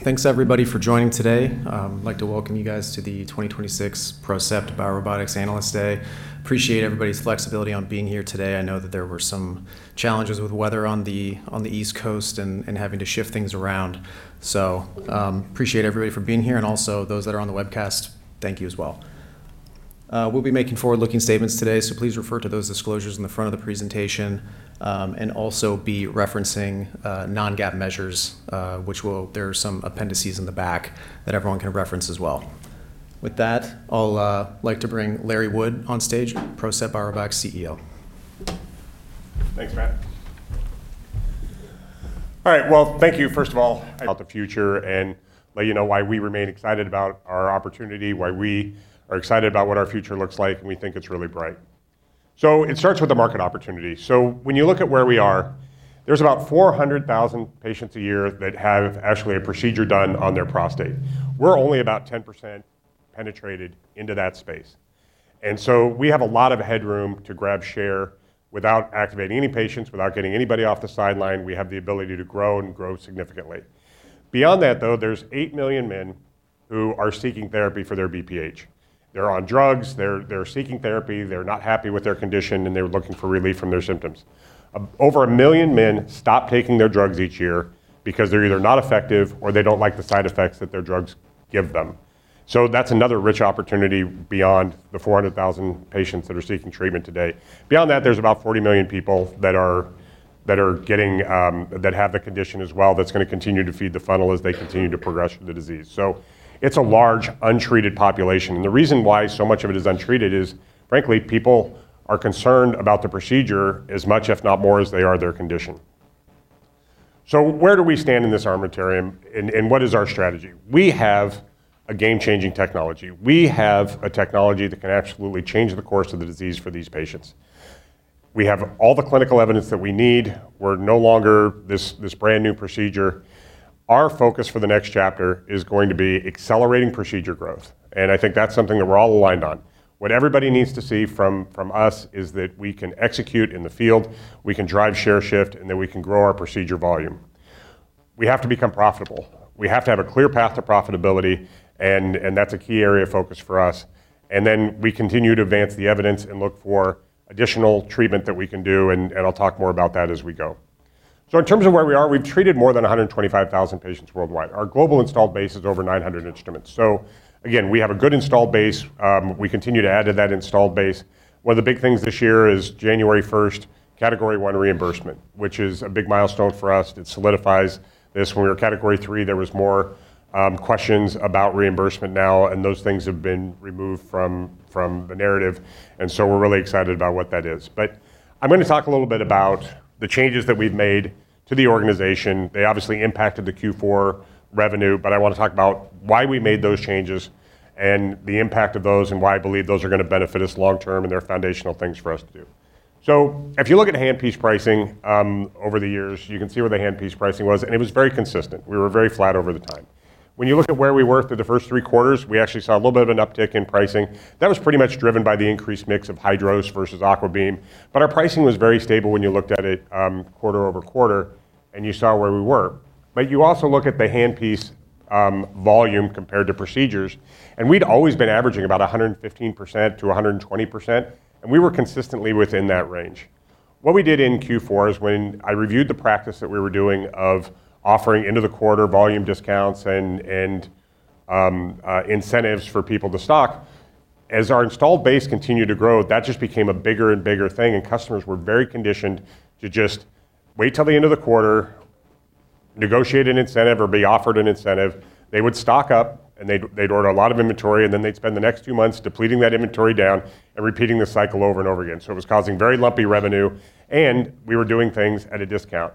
Thanks everybody for joining today. I'd like to welcome you guys to the 2026 PROCEPT BioRobotics Analyst Day. Appreciate everybody's flexibility on being here today. I know that there were some challenges with weather on the East Coast and having to shift things around. Appreciate everybody for being here, and also those that are on the webcast, thank you as well. We'll be making forward-looking statements today, so please refer to those disclosures in the front of the presentation, and also be referencing non-GAAP measures, there are some appendices in the back that everyone can reference as well. With that, I'll like to bring Larry Wood on stage, PROCEPT BioRobotics' CEO. Thanks, Matt. All right. Thank you, first of all...... about the future and let you know why we remain excited about our opportunity, why we are excited about what our future looks like. We think it's really bright. It starts with the market opportunity. When you look at where we are, there's about 400,000 patients a year that have actually a procedure done on their prostate. We're only about 10% penetrated into that space. We have a lot of headroom to grab share without activating any patients. Without getting anybody off the sideline, we have the ability to grow and grow significantly. Beyond that, though, there's 8 million men who are seeking therapy for their BPH. They're on drugs, they're seeking therapy, they're not happy with their condition. They're looking for relief from their symptoms. Over a million men stop taking their drugs each year because they're either not effective, or they don't like the side effects that their drugs give them. That's another rich opportunity beyond the 400,000 patients that are seeking treatment today. Beyond that, there's about 40 million people that are getting that have the condition as well that's gonna continue to feed the funnel as they continue to progress with the disease. It's a large, untreated population. The reason why so much of it is untreated is, frankly, people are concerned about the procedure as much, if not more, as they are their condition. Where do we stand in this armamentarium, and what is our strategy? We have a game-changing technology. We have a technology that can absolutely change the course of the disease for these patients. We have all the clinical evidence that we need. We're no longer this brand-new procedure. I think that's something that we're all aligned on. What everybody needs to see from us is that we can execute in the field, we can drive share shift, and that we can grow our procedure volume. We have to become profitable. We have to have a clear path to profitability, and that's a key area of focus for us. Then we continue to advance the evidence and look for additional treatment that we can do, and I'll talk more about that as we go. In terms of where we are, we've treated more than 125,000 patients worldwide. Our global installed base is over 900 instruments. Again, we have a good installed base. We continue to add to that installed base. One of the big things this year is January 1st, Category I reimbursement, which is a big milestone for us. It solidifies this. When we were Category III, there was more questions about reimbursement now. Those things have been removed from the narrative. We're really excited about what that is. I'm going to talk a little bit about the changes that we've made to the organization. They obviously impacted the Q4 revenue. I want to talk about why we made those changes and the impact of those, and why I believe those are gonna benefit us long term. They're foundational things for us to do. If you look at handpiece pricing over the years, you can see where the handpiece pricing was, and it was very consistent. We were very flat over the time. When you look at where we were through the first three quarters, we actually saw a little bit of an uptick in pricing. That was pretty much driven by the increased mix of HYDROS versus AquaBeam. Our pricing was very stable when you looked at it, quarter-over-quarter, and you saw where we were. You also look at the handpiece volume compared to procedures, and we'd always been averaging about 115%-120%, and we were consistently within that range. What we did in Q4 is when I reviewed the practice that we were doing of offering end-of-the-quarter volume discounts and incentives for people to stock, as our installed base continued to grow, that just became a bigger and bigger thing, and customers were very conditioned to just wait till the end of the quarter, negotiate an incentive or be offered an incentive. They would stock up, and they'd order a lot of inventory, and then they'd spend the next few months depleting that inventory down and repeating the cycle over and over again. It was causing very lumpy revenue, and we were doing things at a discount.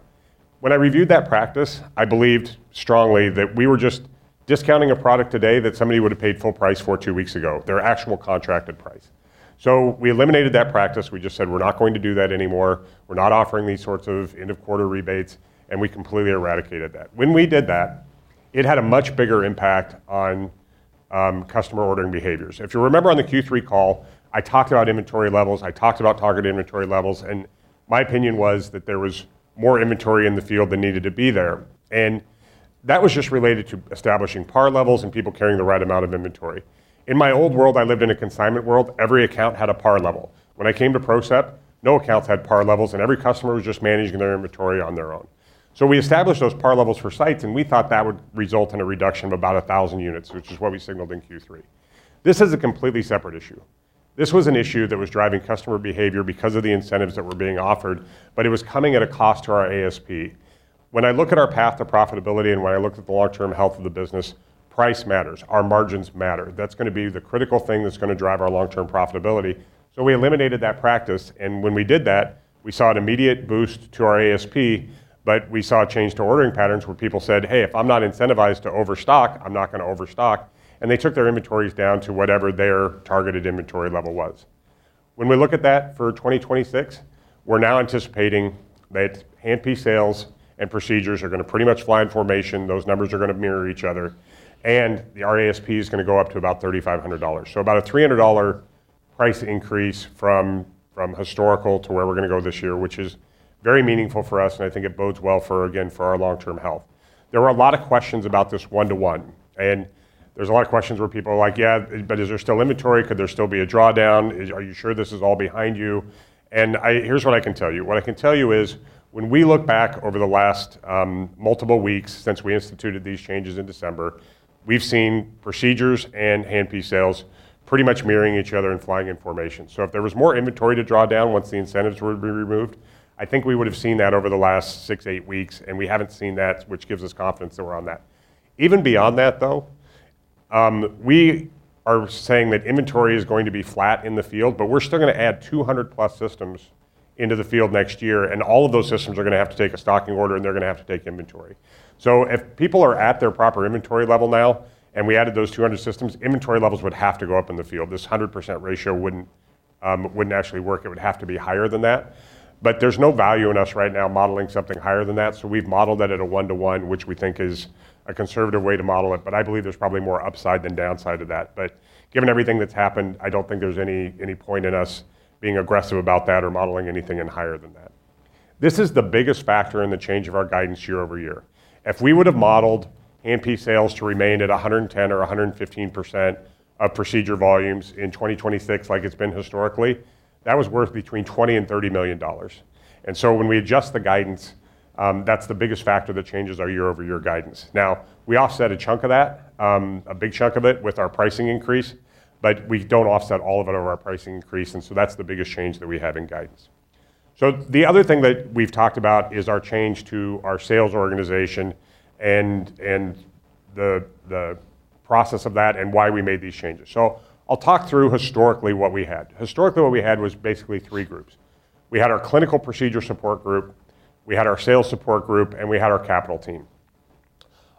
When I reviewed that practice, I believed strongly that we were just discounting a product today that somebody would have paid full price for two weeks ago, their actual contracted price. We eliminated that practice. We just said: "We're not going to do that anymore. We're not offering these sorts of end-of-quarter rebates," and we completely eradicated that. When we did that, it had a much bigger impact on customer ordering behaviors. If you remember on the Q3 call, I talked about inventory levels, I talked about target inventory levels, and my opinion was that there was more inventory in the field than needed to be there. That was just related to establishing par levels and people carrying the right amount of inventory. In my old world, I lived in a consignment world. Every account had a par level. When I came to PROCEPT, no accounts had par levels, and every customer was just managing their inventory on their own. We established those par levels for sites, and we thought that would result in a reduction of about 1,000 units, which is what we signaled in Q3. This is a completely separate issue. This was an issue that was driving customer behavior because of the incentives that were being offered, but it was coming at a cost to our ASP. When I look at our path to profitability and when I look at the long-term health of the business, price matters. Our margins matter. That's gonna be the critical thing that's gonna drive our long-term profitability. We eliminated that practice, and when we did that, we saw an immediate boost to our ASP, but we saw a change to ordering patterns where people said: "Hey, if I'm not incentivized to overstock, I'm not gonna overstock." They took their inventories down to whatever their targeted inventory level was. When we look at that for 2026, we're now anticipating that handpiece sales and procedures are gonna pretty much fly in formation. Those numbers are gonna mirror each other, and the ASP is gonna go up to about $3,500. About a $300 price increase from historical to where we're gonna go this year, which is very meaningful for us, and I think it bodes well for, again, for our long-term health. There were a lot of questions about this one-to-one. There's a lot of questions where people are like: "Yeah, but is there still inventory? Could there still be a drawdown? Are you sure this is all behind you?" Here's what I can tell you. What I can tell you is, when we look back over the last, multiple weeks since we instituted these changes in December, we've seen procedures and handpiece sales pretty much mirroring each other and flying in formation. If there was more inventory to draw down once the incentives were to be removed, I think we would've seen that over the last six, eight weeks, and we haven't seen that, which gives us confidence that we're on that. Even beyond that, though, we are saying that inventory is going to be flat in the field, but we're still gonna add 200+ systems into the field next year, and all of those systems are gonna have to take a stocking order, and they're gonna have to take inventory. If people are at their proper inventory level now, and we added those 200 systems, inventory levels would have to go up in the field. This 100% ratio wouldn't actually work. It would have to be higher than that. There's no value in us right now modeling something higher than that, so we've modeled it at a one-to-one, which we think is a conservative way to model it, but I believe there's probably more upside than downside to that. Given everything that's happened, I don't think there's any point in us being aggressive about that or modeling anything in higher than that. This is the biggest factor in the change of our guidance year-over-year. If we would've modeled handpiece sales to remain at 110% or 115% of procedure volumes in 2026, like it's been historically, that was worth between $20 million-$30 million. When we adjust the guidance, that's the biggest factor that changes our year-over-year guidance. We offset a chunk of that, a big chunk of it, with our pricing increase, but we don't offset all of it over our pricing increase, and so that's the biggest change that we have in guidance. The other thing that we've talked about is our change to our sales organization and the process of that and why we made these changes. I'll talk through historically what we had. Historically, what we had was basically three groups: We had our clinical procedure support group, we had our sales support group, and we had our capital team.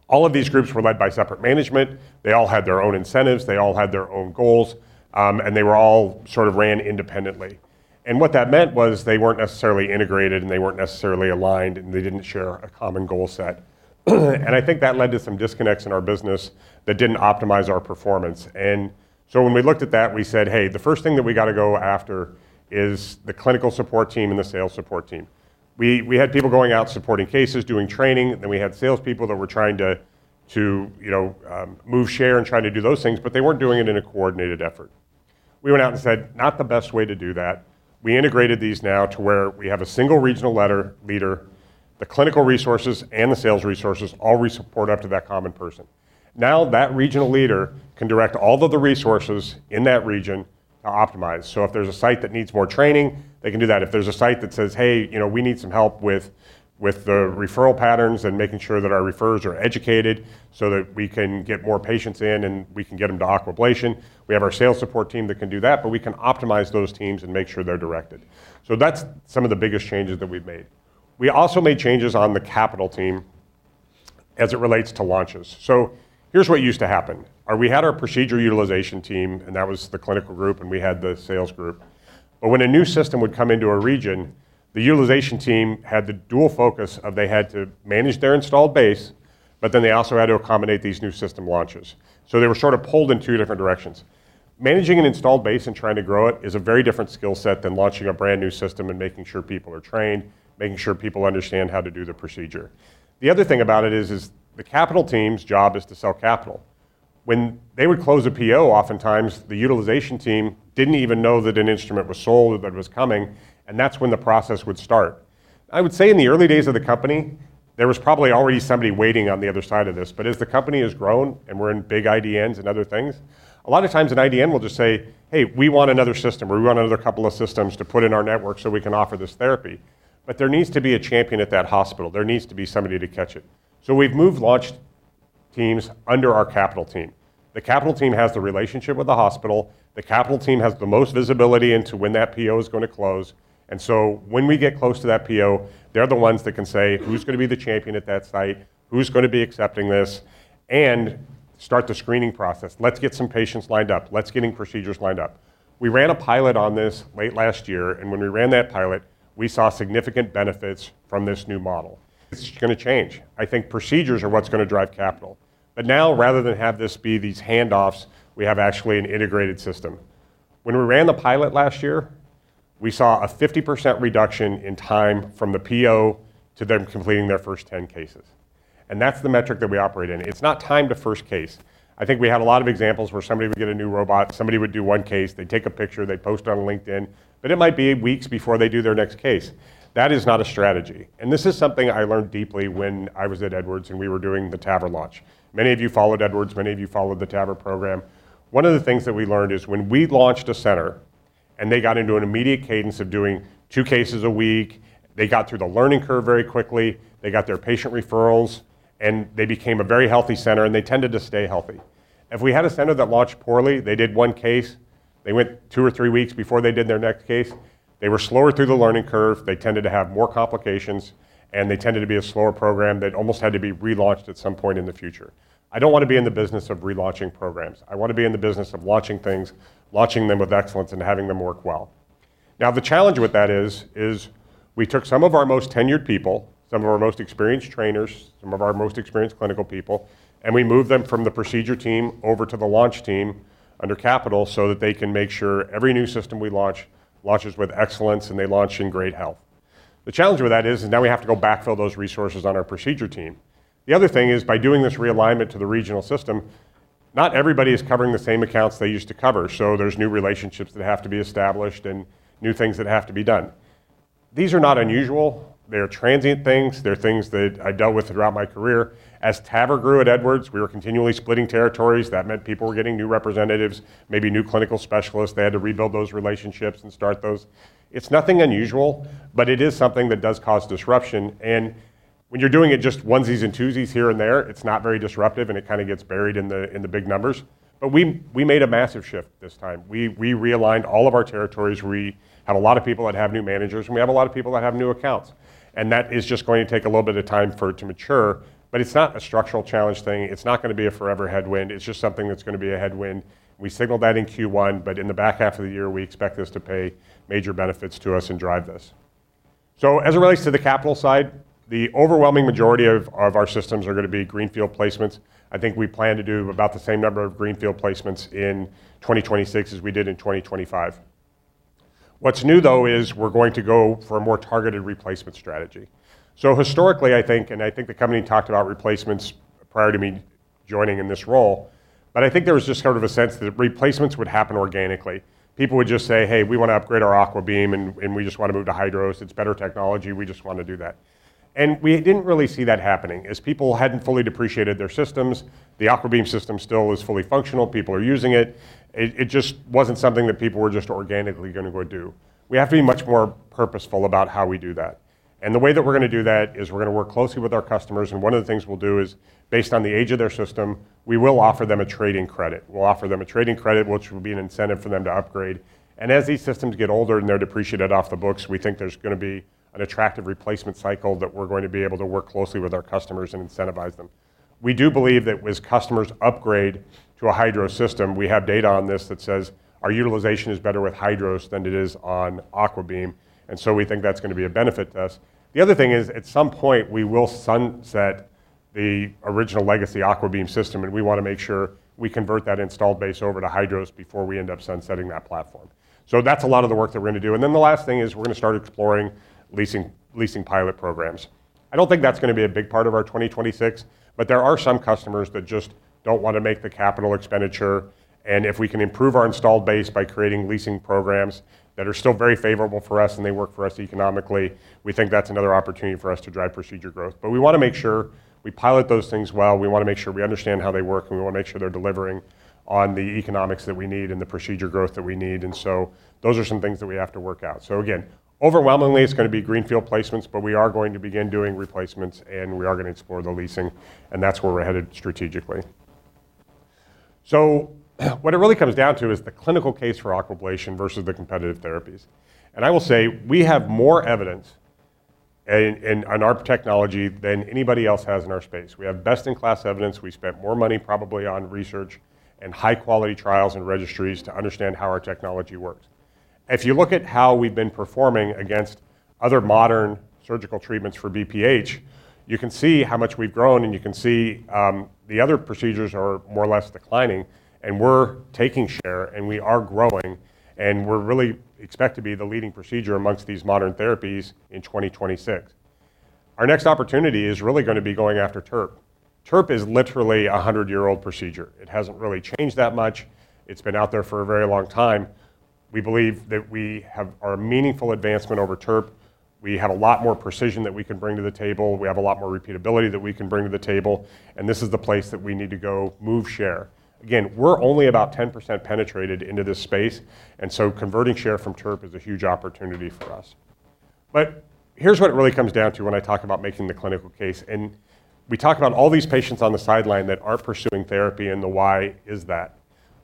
All of these groups were led by separate management. They all had their own incentives, they all had their own goals, and they were all sort of ran independently. What that meant was they weren't necessarily integrated, and they weren't necessarily aligned, and they didn't share a common goal set. I think that led to some disconnects in our business that didn't optimize our performance. When we looked at that, we said, "Hey, the first thing that we gotta go after is the clinical support team and the sales support team." We had people going out, supporting cases, doing training, then we had salespeople that were trying to, you know, move share and trying to do those things, but they weren't doing it in a coordinated effort. We went out and said, "Not the best way to do that." We integrated these now to where we have a single regional leader. The clinical resources and the sales resources all report up to that common person. That regional leader can direct all of the resources in that region to optimize. If there's a site that needs more training, they can do that. If there's a site that says, "Hey, you know, we need some help with the referral patterns and making sure that our referrers are educated so that we can get more patients in, and we can get them to Aquablation," we have our sales support team that can do that, but we can optimize those teams and make sure they're directed. That's some of the biggest changes that we've made. We also made changes on the capital team as it relates to launches. Here's what used to happen, are we had our procedure utilization team, and that was the clinical group, and we had the sales group. When a new system would come into a region, the utilization team had the dual focus of they had to manage their installed base, but then they also had to accommodate these new system launches. They were sort of pulled in two different directions. Managing an installed base and trying to grow it is a very different skill set than launching a brand-new system and making sure people are trained, making sure people understand how to do the procedure. The other thing about it is, the capital team's job is to sell capital. When they would close a PO, oftentimes, the utilization team didn't even know that an instrument was sold or that was coming, and that's when the process would start. I would say in the early days of the company, there was probably already somebody waiting on the other side of this. As the company has grown, and we're in big IDNs and other things, a lot of times an IDN will just say, "Hey, we want another system," or, "We want another couple of systems to put in our network so we can offer this therapy." There needs to be a champion at that hospital. There needs to be somebody to catch it. We've moved launch teams under our capital team. The capital team has the relationship with the hospital. The capital team has the most visibility into when that PO is gonna close. When we get close to that PO, they're the ones that can say, "Who's gonna be the champion at that site? Who's gonna be accepting this?" Start the screening process: "Let's get some patients lined up. Let's get procedures lined up." We ran a pilot on this late last year. When we ran that pilot, we saw significant benefits from this new model. This is gonna change. I think procedures are what's gonna drive capital. Now, rather than have this be these handoffs, we have actually an integrated system. When we ran the pilot last year, we saw a 50% reduction in time from the PO to them completing their first 10 cases. That's the metric that we operate in. It's not time to first case. I think we had a lot of examples where somebody would get a new robot, somebody would do one case, they'd take a picture, they'd post it on LinkedIn. It might be weeks before they do their next case. That is not a strategy. This is something I learned deeply when I was at Edwards, and we were doing the TAVR launch. Many of you followed Edwards. Many of you followed the TAVR program. One of the things that we learned is, when we launched a center, and they got into an immediate cadence of doing two cases a week, they got through the learning curve very quickly, they got their patient referrals, and they became a very healthy center, and they tended to stay healthy. If we had a center that launched poorly, they did one case, they went two or three weeks before they did their next case. They were slower through the learning curve, they tended to have more complications, and they tended to be a slower program that almost had to be relaunched at some point in the future. I don't want to be in the business of relaunching programs. I want to be in the business of launching things, launching them with excellence, and having them work well. The challenge with that is, we took some of our most tenured people, some of our most experienced trainers, some of our most experienced clinical people, and we moved them from the procedure team over to the launch team under capital, so that they can make sure every new system we launch, launches with excellence and they launch in great health. The challenge with that is, now we have to go backfill those resources on our procedure team. The other thing is, by doing this realignment to the regional system, not everybody is covering the same accounts they used to cover. There's new relationships that have to be established and new things that have to be done. These are not unusual. They are transient things. They're things that I dealt with throughout my career. As TAVR grew at Edwards, we were continually splitting territories. That meant people were getting new representatives, maybe new clinical specialists. They had to rebuild those relationships and start those. It's nothing unusual. It is something that does cause disruption, and when you're doing it just onesies and twosies here and there, it's not very disruptive, and it kind of gets buried in the big numbers. We made a massive shift this time. We realigned all of our territories. We had a lot of people that have new managers, we have a lot of people that have new accounts, that is just going to take a little bit of time for it to mature. It's not a structural challenge thing. It's not gonna be a forever headwind. It's just something that's gonna be a headwind. We signaled that in Q1, in the back half of the year, we expect this to pay major benefits to us and drive this. As it relates to the capital side, the overwhelming majority of our systems are gonna be greenfield placements. I think we plan to do about the same number of greenfield placements in 2026 as we did in 2025. What's new, though, is we're going to go for a more targeted replacement strategy. Historically, I think the company talked about replacements prior to me joining in this role, but there was just sort of a sense that replacements would happen organically. People would just say, "Hey, we wanna upgrade our AquaBeam, and we just wanna move to HYDROS. It's better technology. We just want to do that." We didn't really see that happening, as people hadn't fully depreciated their systems. The AquaBeam system still is fully functional. People are using it. It just wasn't something that people were just organically gonna go do. We have to be much more purposeful about how we do that. The way that we're gonna do that is we're gonna work closely with our customers. One of the things we'll do is, based on the age of their system, we will offer them a trade-in credit. We'll offer them a trade-in credit, which will be an incentive for them to upgrade. As these systems get older and they're depreciated off the books, we think there's gonna be an attractive replacement cycle that we're going to be able to work closely with our customers and incentivize them. We do believe that as customers upgrade to a HYDROS system, we have data on this that says, our utilization is better with HYDROS than it is on AquaBeam, and so we think that's gonna be a benefit to us. The other thing is, at some point, we will sunset the original legacy AquaBeam system, and we wanna make sure we convert that installed base over to HYDROS before we end up sunsetting that platform. That's a lot of the work that we're gonna do. The last thing is, we're gonna start exploring leasing pilot programs. I don't think that's gonna be a big part of our 2026, but there are some customers that just don't want to make the capital expenditure, and if we can improve our installed base by creating leasing programs that are still very favorable for us and they work for us economically, we think that's another opportunity for us to drive procedure growth. We wanna make sure we pilot those things well. We wanna make sure we understand how they work, and we wanna make sure they're delivering on the economics that we need and the procedure growth that we need. Those are some things that we have to work out. Again, overwhelmingly, it's gonna be greenfield placements, but we are going to begin doing replacements, and we are gonna explore the leasing, and that's where we're headed strategically. What it really comes down to is the clinical case for Aquablation versus the competitive therapies. I will say, we have more evidence in, on our technology than anybody else has in our space. We have best-in-class evidence. We spent more money, probably, on research and high-quality trials and registries to understand how our technology works. If you look at how we've been performing against other modern surgical treatments for BPH, you can see how much we've grown, and you can see, the other procedures are more or less declining, and we're taking share, and we are growing, and we're really expect to be the leading procedure amongst these modern therapies in 2026. Our next opportunity is really gonna be going after TURP. TURP is literally a 100-year-old procedure. It hasn't really changed that much. It's been out there for a very long time. We believe that we have a meaningful advancement over TURP. We have a lot more precision that we can bring to the table. We have a lot more repeatability that we can bring to the table. This is the place that we need to go move share. Again, we're only about 10% penetrated into this space. Converting share from TURP is a huge opportunity for us. Here's what it really comes down to when I talk about making the clinical case. We talk about all these patients on the sideline that aren't pursuing therapy and the why is that.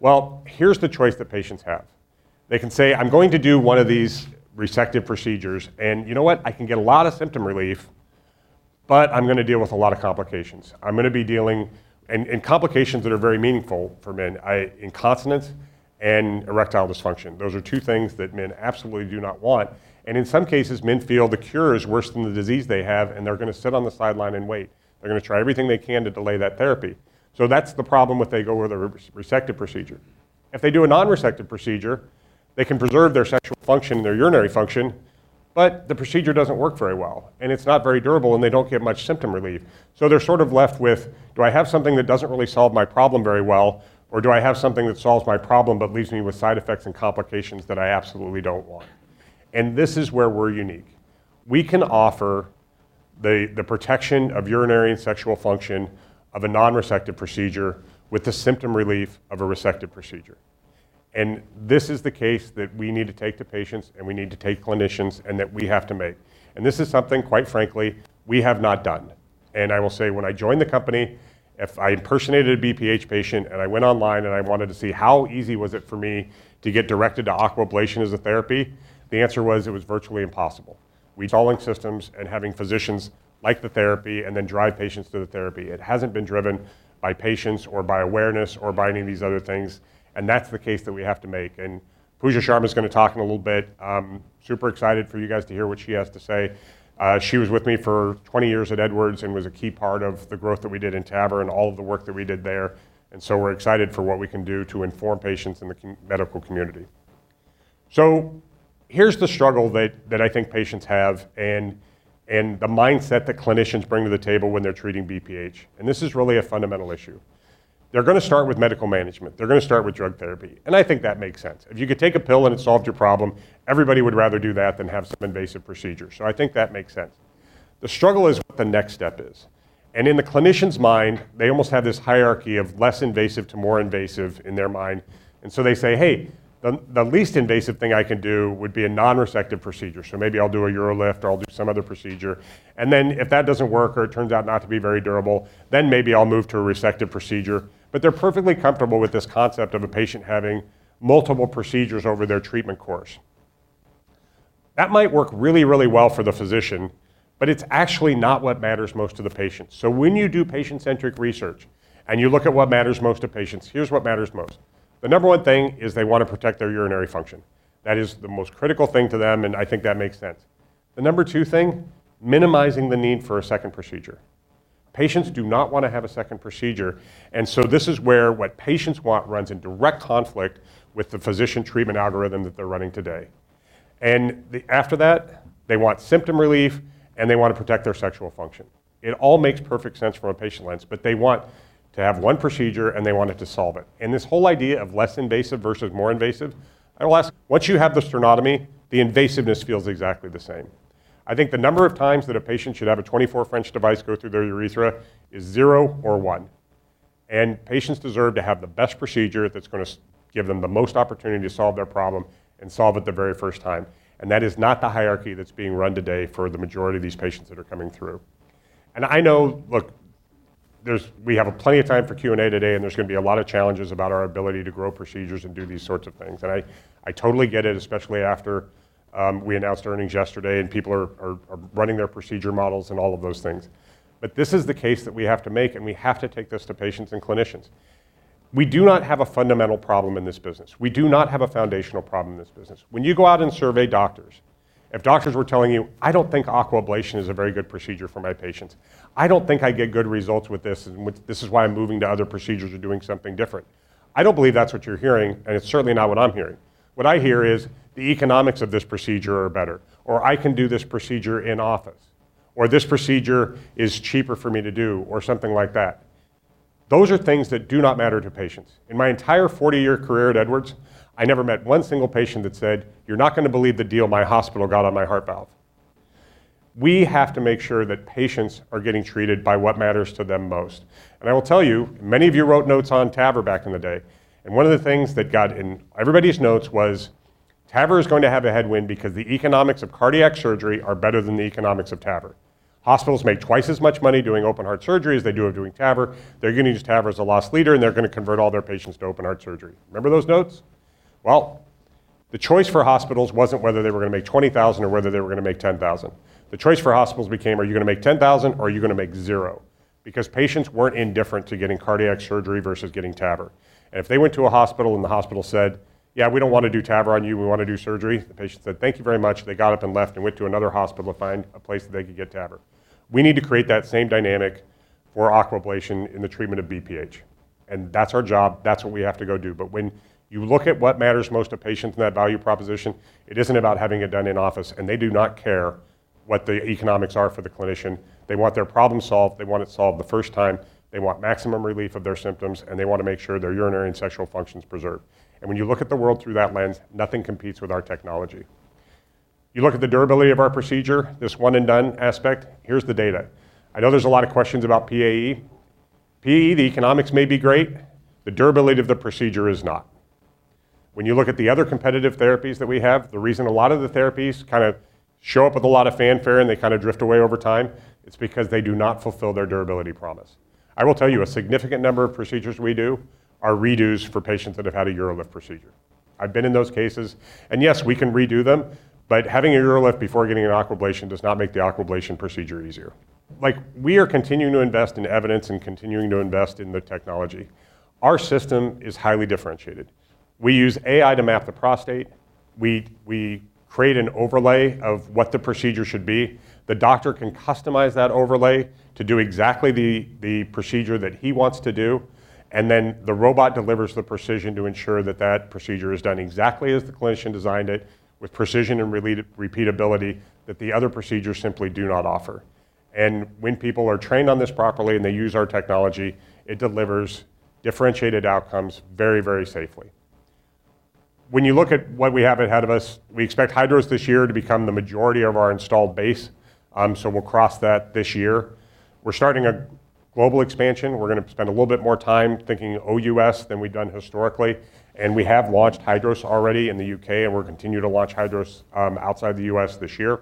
Well, here's the choice that patients have. They can say, "I'm going to do one of these resective procedures, you know what? I can get a lot of symptom relief, I'm gonna deal with a lot of complications. Complications that are very meaningful for men, incontinence and erectile dysfunction. Those are two things that men absolutely do not want, in some cases, men feel the cure is worse than the disease they have, they're gonna sit on the sideline and wait. They're gonna try everything they can to delay that therapy. That's the problem if they go with a resective procedure. If they do a non-resective procedure, they can preserve their sexual function and their urinary function, the procedure doesn't work very well, it's not very durable, they don't get much symptom relief. They're sort of left with, do I have something that doesn't really solve my problem very well, or do I have something that solves my problem but leaves me with side effects and complications that I absolutely don't want? This is where we're unique. We can offer the protection of urinary and sexual function of a non-resective procedure with the symptom relief of a resective procedure. This is the case that we need to take to patients, and we need to take clinicians, and that we have to make. This is something, quite frankly, we have not done. I will say, when I joined the company, if I impersonated a BPH patient, and I went online, and I wanted to see how easy was it for me to get directed to Aquablation as a therapy, the answer was: it was virtually impossible. We following systems and having physicians like the therapy, and then drive patients to the therapy. It hasn't been driven by patients or by awareness or by any of these other things, and that's the case that we have to make. Pooja Sharma is gonna talk in a little bit. Super excited for you guys to hear what she has to say. She was with me for 20 years at Edwards and was a key part of the growth that we did in TAVR and all of the work that we did there. We're excited for what we can do to inform patients in the medical community. Here's the struggle that I think patients have and the mindset that clinicians bring to the table when they're treating BPH, and this is really a fundamental issue. They're gonna start with medical management. They're gonna start with drug therapy. I think that makes sense. If you could take a pill and it solved your problem, everybody would rather do that than have some invasive procedure. I think that makes sense. The struggle is what the next step is. In the clinician's mind, they almost have this hierarchy of less invasive to more invasive in their mind. They say, "Hey, the least invasive thing I can do would be a non-resective procedure, so maybe I'll do a UroLift or I'll do some other procedure." If that doesn't work, or it turns out not to be very durable, then maybe I'll move to a resective procedure. They're perfectly comfortable with this concept of a patient having multiple procedures over their treatment course. That might work really, really well for the physician, but it's actually not what matters most to the patient. When you do patient-centric research and you look at what matters most to patients, here's what matters most: The number one thing is they want to protect their urinary function. That is the most critical thing to them, and I think that makes sense. The number two thing, minimizing the need for a second procedure. Patients do not wanna have a second procedure. This is where what patients want runs in direct conflict with the physician treatment algorithm that they're running today. After that, they want symptom relief, and they want to protect their sexual function. It all makes perfect sense from a patient lens, but they want to have one procedure, and they want it to solve it. This whole idea of less invasive versus more invasive, I will ask, once you have the sternotomy, the invasiveness feels exactly the same. I think the number of times that a patient should have a 24 French device go through their urethra is zero or one, and patients deserve to have the best procedure that's gonna give them the most opportunity to solve their problem and solve it the very first time. That is not the hierarchy that's being run today for the majority of these patients that are coming through. I know. Look, we have plenty of time for Q&A today, and there's gonna be a lot of challenges about our ability to grow procedures and do these sorts of things. I totally get it, especially after we announced earnings yesterday, and people are running their procedure models and all of those things. This is the case that we have to make, and we have to take this to patients and clinicians. We do not have a fundamental problem in this business. We do not have a foundational problem in this business. When you go out and survey doctors, if doctors were telling you, "I don't think Aquablation is a very good procedure for my patients, I don't think I get good results with this, and this is why I'm moving to other procedures or doing something different," I don't believe that's what you're hearing, and it's certainly not what I'm hearing. What I hear is, "The economics of this procedure are better," or, "I can do this procedure in office," or, "This procedure is cheaper for me to do," or something like that. Those are things that do not matter to patients. In my entire 40-year career at Edwards, I never met one single patient that said, "You're not gonna believe the deal my hospital got on my heart valve." We have to make sure that patients are getting treated by what matters to them most. I will tell you, many of you wrote notes on TAVR back in the day, and one of the things that got in everybody's notes was, TAVR is going to have a headwind because the economics of cardiac surgery are better than the economics of TAVR. Hospitals make twice as much money doing open-heart surgery as they do of doing TAVR. They're gonna use TAVR as a loss leader, and they're gonna convert all their patients to open-heart surgery. Remember those notes? The choice for hospitals wasn't whether they were gonna make $20,000 or whether they were gonna make $10,000. The choice for hospitals became: Are you gonna make $10,000, or are you gonna make zero? Because patients weren't indifferent to getting cardiac surgery versus getting TAVR. If they went to a hospital, and the hospital said, "Yeah, we don't wanna do TAVR on you; we wanna do surgery," the patient said, "Thank you very much." They got up and left and went to another hospital to find a place that they could get TAVR. We need to create that same dynamic for Aquablation in the treatment of BPH, and that's our job. That's what we have to go do. When you look at what matters most to patients in that value proposition, it isn't about having it done in office, and they do not care what the economics are for the clinician. They want their problem solved. They want it solved the first time. They want maximum relief of their symptoms, and they want to make sure their urinary and sexual function's preserved. When you look at the world through that lens, nothing competes with our technology. You look at the durability of our procedure, this one-and-done aspect. Here's the data. I know there's a lot of questions about PAE. PAE, the economics may be great. The durability of the procedure is not. When you look at the other competitive therapies that we have, the reason a lot of the therapies kinda show up with a lot of fanfare, and they kinda drift away over time, it's because they do not fulfill their durability promise. I will tell you, a significant number of procedures we do are redos for patients that have had a UroLift procedure. I've been in those cases, and yes, we can redo them, but having a UroLift before getting an Aquablation does not make the Aquablation procedure easier. Like, we are continuing to invest in evidence and continuing to invest in the technology. Our system is highly differentiated. We use AI to map the prostate. We create an overlay of what the procedure should be. The doctor can customize that overlay to do exactly the procedure that he wants to do, and then the robot delivers the precision to ensure that that procedure is done exactly as the clinician designed it, with precision and repeatability that the other procedures simply do not offer. When people are trained on this properly and they use our technology, it delivers differentiated outcomes very safely. When you look at what we have ahead of us, we expect HYDROS this year to become the majority of our installed base, so we'll cross that this year. We're starting a global expansion. We're gonna spend a little bit more time thinking OUS than we've done historically. We have launched HYDROS already in the U.K., and we'll continue to launch HYDROS outside the U.S. this year.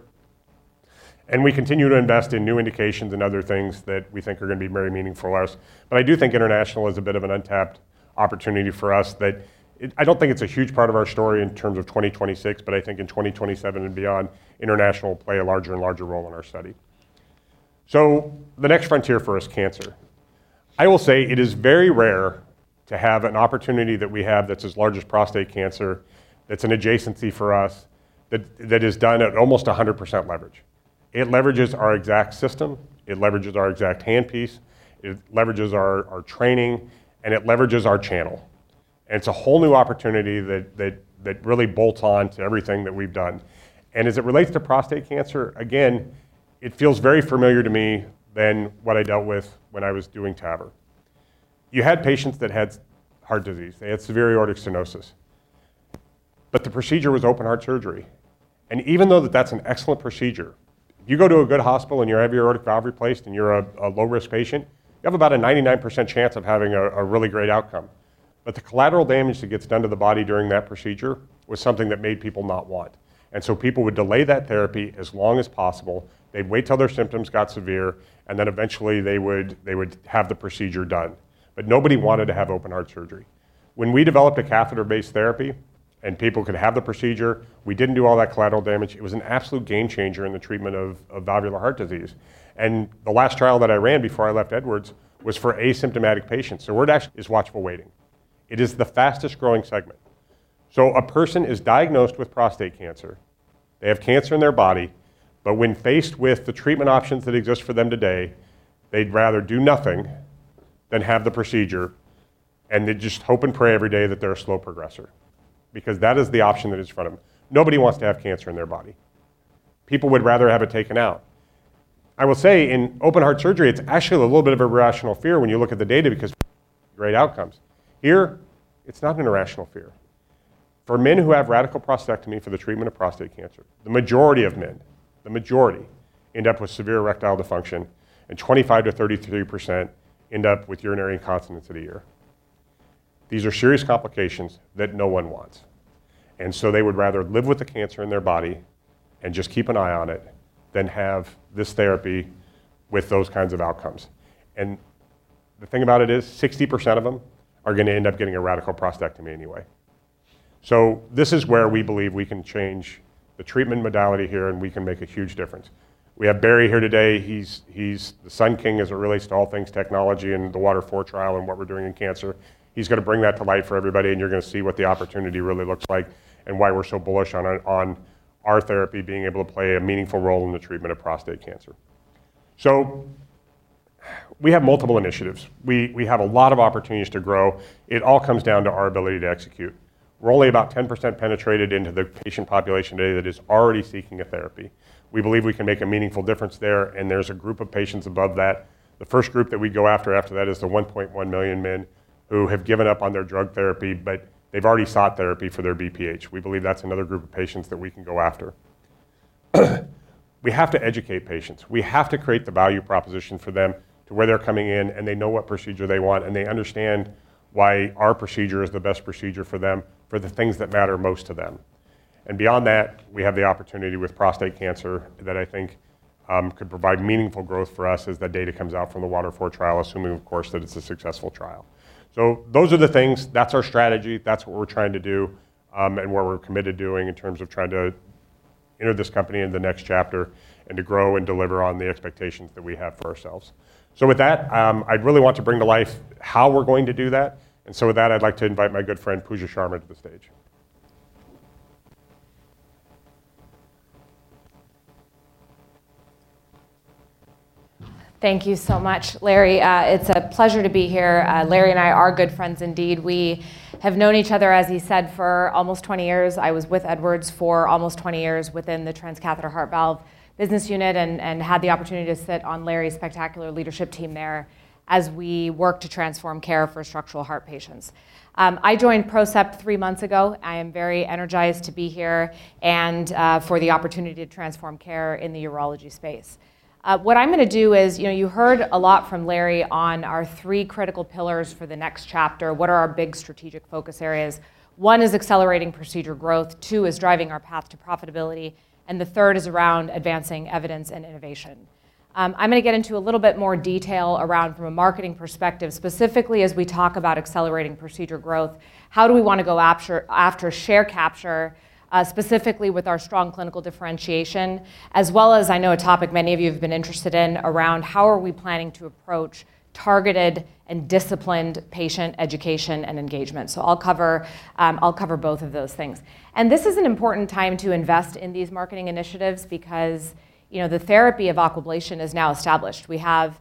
We continue to invest in new indications and other things that we think are gonna be very meaningful for us. I do think international is a bit of an untapped opportunity for us that I don't think it's a huge part of our story in terms of 2026, but I think in 2027 and beyond, international will play a larger and larger role in our study. The next frontier for us: cancer. I will say it is very rare to have an opportunity that we have that's as large as prostate cancer, that's an adjacency for us, that is done at almost 100% leverage. It leverages our exact system, it leverages our exact handpiece, it leverages our training, and it leverages our channel. It's a whole new opportunity that really bolts on to everything that we've done. As it relates to prostate cancer, again, it feels very familiar to me than what I dealt with when I was doing TAVR. You had patients that had heart disease, they had severe aortic stenosis. The procedure was open heart surgery, and even though that's an excellent procedure, if you go to a good hospital, and you have your aortic valve replaced, and you're a low-risk patient, you have about a 99% chance of having a really great outcome. The collateral damage that gets done to the body during that procedure was something that made people not want. People would delay that therapy as long as possible. They'd wait till their symptoms got severe, and then eventually they would have the procedure done. Nobody wanted to have open heart surgery. When we developed a catheter-based therapy and people could have the procedure, we didn't do all that collateral damage. It was an absolute game changer in the treatment of valvular heart disease. The last trial that I ran before I left Edwards was for asymptomatic patients. The word actually is watchful waiting. It is the fastest growing segment. A person is diagnosed with prostate cancer, they have cancer in their body, but when faced with the treatment options that exist for them today, they'd rather do nothing than have the procedure, and they just hope and pray every day that they're a slow progressor. That is the option that is in front of them. Nobody wants to have cancer in their body. People would rather have it taken out. I will say, in open heart surgery, it's actually a little bit of an irrational fear when you look at the data, because great outcomes. Here, it's not an irrational fear. For men who have radical prostatectomy for the treatment of prostate cancer, the majority of men, the majority, end up with severe erectile dysfunction, and 25%-33% end up with urinary incontinence a year. These are serious complications that no one wants, and so they would rather live with the cancer in their body and just keep an eye on it than have this therapy with those kinds of outcomes. The thing about it is, 60% of them are gonna end up getting a radical prostatectomy anyway. This is where we believe we can change the treatment modality here, and we can make a huge difference. We have Barry here today. He's the Sun King as it relates to all things technology and the WATER IV trial and what we're doing in cancer. He's gonna bring that to life for everybody, and you're gonna see what the opportunity really looks like and why we're so bullish on our therapy being able to play a meaningful role in the treatment of prostate cancer. We have multiple initiatives. We have a lot of opportunities to grow. It all comes down to our ability to execute. We're only about 10% penetrated into the patient population today that is already seeking a therapy. We believe we can make a meaningful difference there. There's a group of patients above that. The first group that we go after that is the 1.1 million men who have given up on their drug therapy. They've already sought therapy for their BPH. We believe that's another group of patients that we can go after. We have to educate patients. We have to create the value proposition for them to where they're coming in, and they know what procedure they want, and they understand why our procedure is the best procedure for them, for the things that matter most to them. Beyond that, we have the opportunity with prostate cancer that I think could provide meaningful growth for us as that data comes out from the WATER IV trial, assuming, of course, that it's a successful trial. Those are the things, that's our strategy, that's what we're trying to do, and what we're committed doing in terms of trying to enter this company in the next chapter and to grow and deliver on the expectations that we have for ourselves. With that, I'd really want to bring to life how we're going to do that. With that, I'd like to invite my good friend, Pooja Sharma, to the stage. Thank you so much, Larry. It's a pleasure to be here. Larry and I are good friends indeed. We have known each other, as he said, for almost 20 years. I was with Edwards for almost 20 years within the transcatheter heart valve business unit and had the opportunity to sit on Larry's spectacular leadership team there as we worked to transform care for structural heart patients. I joined PROCEPT three months ago. I am very energized to be here and for the opportunity to transform care in the urology space. What I'm gonna do is, you know, you heard a lot from Larry on our three critical pillars for the next chapter. What are our big strategic focus areas? One is accelerating procedure growth, two is driving our path to profitability, the third is around advancing evidence and innovation. I'm gonna get into a little bit more detail around from a marketing perspective, specifically as we talk about accelerating procedure growth. How do we want to go after share capture, specifically with our strong clinical differentiation, as well as I know a topic many of you have been interested in around how are we planning to approach targeted and disciplined patient education and engagement? I'll cover both of those things. This is an important time to invest in these marketing initiatives because, you know, the therapy of Aquablation is now established. We have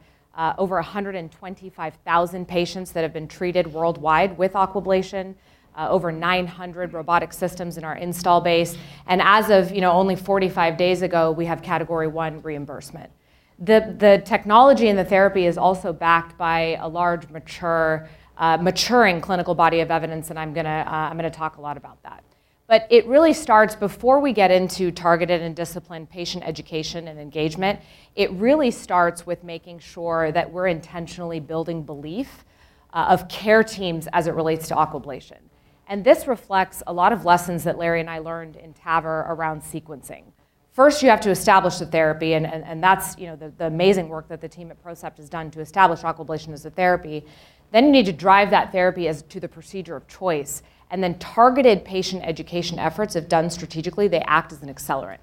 over 125,000 patients that have been treated worldwide with Aquablation, over 900 robotic systems in our install base, and as of, you know, only 45 days ago, we have Category I reimbursement. The technology and the therapy is also backed by a large, mature, maturing clinical body of evidence, I'm gonna talk a lot about that. It really starts before we get into targeted and disciplined patient education and engagement, it really starts with making sure that we're intentionally building belief of care teams as it relates to Aquablation. This reflects a lot of lessons that Larry and I learned in TAVR around sequencing. First, you have to establish the therapy, and that's, you know, the amazing work that the team at PROCEPT has done to establish Aquablation as a therapy. You need to drive that therapy as to the procedure of choice, targeted patient education efforts, if done strategically, they act as an accelerant.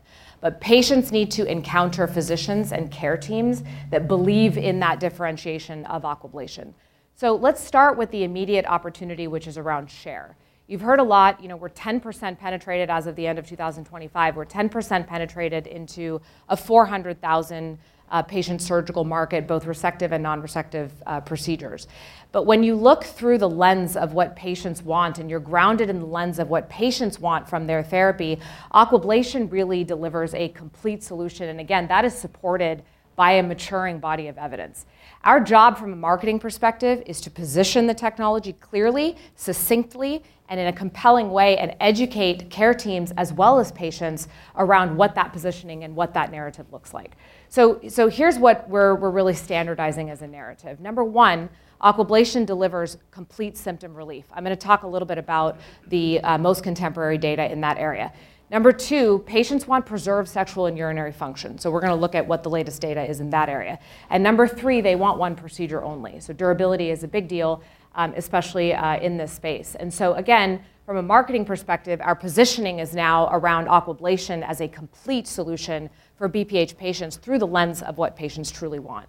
Patients need to encounter physicians and care teams that believe in that differentiation of Aquablation. Let's start with the immediate opportunity, which is around share. You've heard a lot, you know, we're 10% penetrated as of the end of 2025. We're 10% penetrated into a 400,000 patient surgical market, both resective and non-resective procedures. When you look through the lens of what patients want, and you're grounded in the lens of what patients want from their therapy, Aquablation really delivers a complete solution, and again, that is supported by a maturing body of evidence. Our job from a marketing perspective is to position the technology clearly, succinctly, and in a compelling way, and educate care teams as well as patients around what that positioning and what that narrative looks like. Here's what we're really standardizing as a narrative. Number one, Aquablation delivers complete symptom relief. I'm gonna talk a little bit about the most contemporary data in that area. Number two, patients want preserved sexual and urinary function, so we're gonna look at what the latest data is in that area. Number three, they want one procedure only. Durability is a big deal, especially in this space. Again, from a marketing perspective, our positioning is now around Aquablation as a complete solution for BPH patients through the lens of what patients truly want.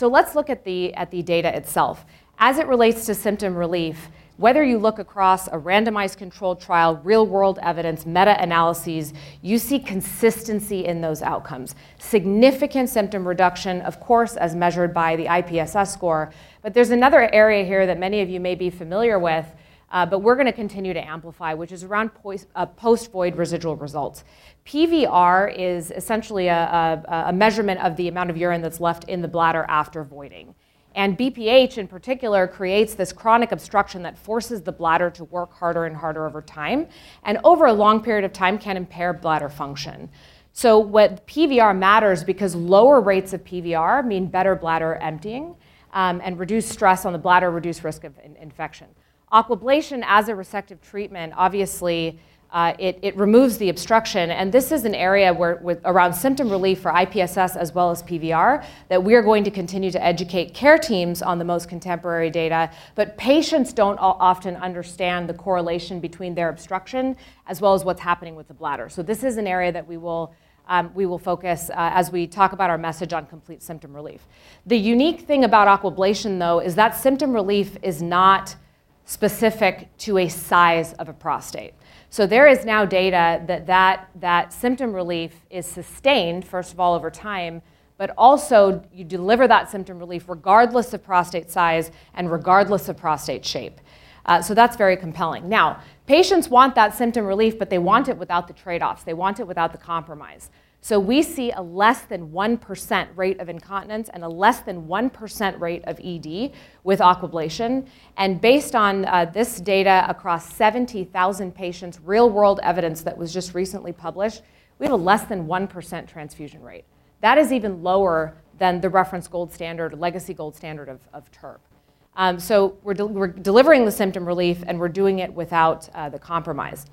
Let's look at the data itself. As it relates to symptom relief, whether you look across a randomized controlled trial, real-world evidence, meta-analyses, you see consistency in those outcomes. Significant symptom reduction, of course, as measured by the IPSS score. There's another area here that many of you may be familiar with, but we're gonna continue to amplify, which is around post-void residual results. PVR is essentially a measurement of the amount of urine that's left in the bladder after voiding. BPH, in particular, creates this chronic obstruction that forces the bladder to work harder and harder over time, and over a long period of time, can impair bladder function. What PVR matters, because lower rates of PVR mean better bladder emptying, and reduced stress on the bladder, reduced risk of infection. Aquablation, as a resective treatment, obviously, it removes the obstruction. This is an area where, with around symptom relief for IPSS as well as PVR, that we are going to continue to educate care teams on the most contemporary data. Patients don't often understand the correlation between their obstruction as well as what's happening with the bladder. This is an area that we will focus as we talk about our message on complete symptom relief. The unique thing about Aquablation, though, is that symptom relief is not specific to a size of a prostate. There is now data that symptom relief is sustained, first of all, over time, but also, you deliver that symptom relief regardless of prostate size and regardless of prostate shape. That's very compelling. Now, patients want that symptom relief, but they want it without the trade-offs. They want it without the compromise. We see a less than 1% rate of incontinence and a less than 1% rate of ED with Aquablation. Based on this data across 70,000 patients, real-world evidence that was just recently published, we have a less than 1% transfusion rate. That is even lower than the reference gold standard, legacy gold standard of TURP. We're delivering the symptom relief, and we're doing it without the compromise.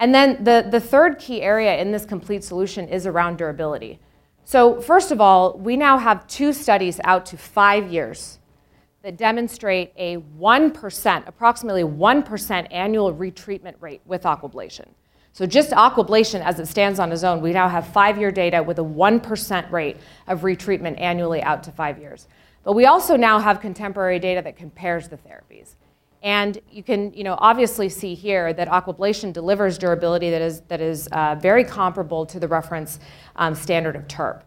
The third key area in this complete solution is around durability. First of all, we now have two studies out to five years that demonstrate a 1%, approximately 1% annual retreatment rate with Aquablation. Just Aquablation, as it stands on its own, we now have five-year data with a 1% rate of retreatment annually out to five years. We also now have contemporary data that compares the therapies. You can, you know, obviously see here that Aquablation delivers durability that is very comparable to the reference standard of TURP.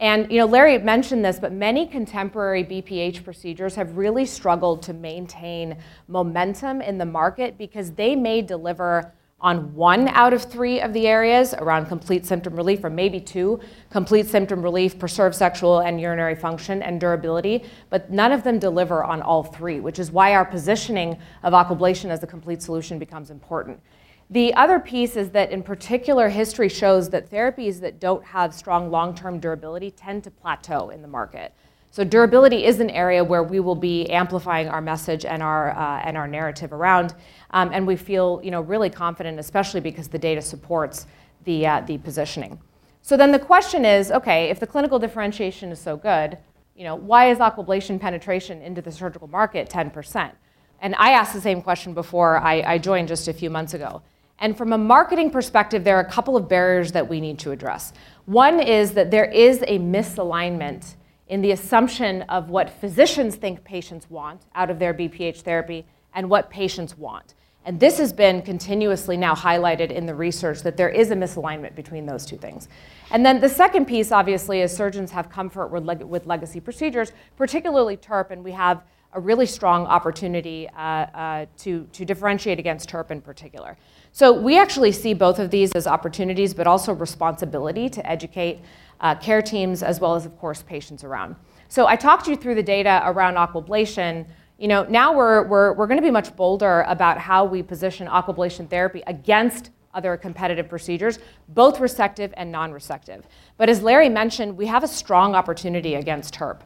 You know, Larry had mentioned this, but many contemporary BPH procedures have really struggled to maintain momentum in the market because they may deliver on one out of three of the areas around complete symptom relief or maybe two, complete symptom relief, preserved sexual and urinary function, and durability, but none of them deliver on all three, which is why our positioning of Aquablation as the complete solution becomes important. The other piece is that, in particular, history shows that therapies that don't have strong long-term durability tend to plateau in the market. Durability is an area where we will be amplifying our message and our narrative around, and we feel, you know, really confident, especially because the data supports the positioning. The question is, okay, if the clinical differentiation is so good, you know, why is Aquablation penetration into the surgical market 10%? I asked the same question before I joined just a few months ago. From a marketing perspective, there are a couple of barriers that we need to address. One is that there is a misalignment in the assumption of what physicians think patients want out of their BPH therapy and what patients want. This has been continuously now highlighted in the research, that there is a misalignment between those two things. The second piece, obviously, is surgeons have comfort with legacy procedures, particularly TURP, and we have a really strong opportunity to differentiate against TURP in particular. We actually see both of these as opportunities, but also responsibility to educate care teams as well as, of course, patients around. I talked you through the data around Aquablation. You know, now we're gonna be much bolder about how we position Aquablation therapy against other competitive procedures, both resective and non-resective. As Larry mentioned, we have a strong opportunity against TURP.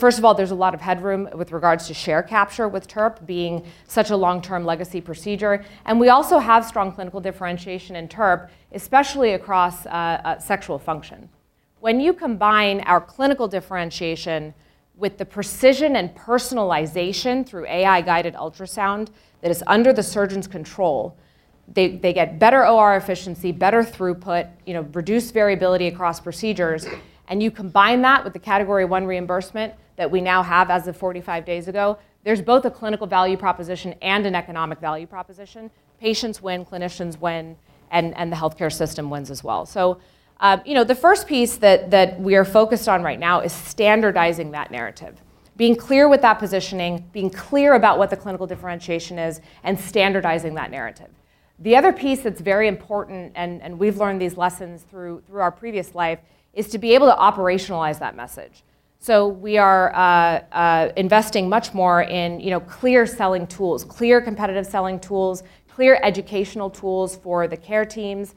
First of all, there's a lot of headroom with regards to share capture with TURP being such a long-term legacy procedure, and we also have strong clinical differentiation in TURP, especially across sexual function. When you combine our clinical differentiation with the precision and personalization through AI-guided ultrasound that is under the surgeon's control, they get better OR efficiency, better throughput, you know, reduced variability across procedures, and you combine that with the Category I reimbursement that we now have as of 45 days ago, there's both a clinical value proposition and an economic value proposition. Patients win, clinicians win, and the healthcare system wins as well. You know, the first piece that we are focused on right now is standardizing that narrative, being clear with that positioning, being clear about what the clinical differentiation is, and standardizing that narrative. The other piece that's very important, and we've learned these lessons through our previous life, is to be able to operationalize that message. We are investing much more in, you know, clear selling tools, clear competitive selling tools, clear educational tools for the care teams.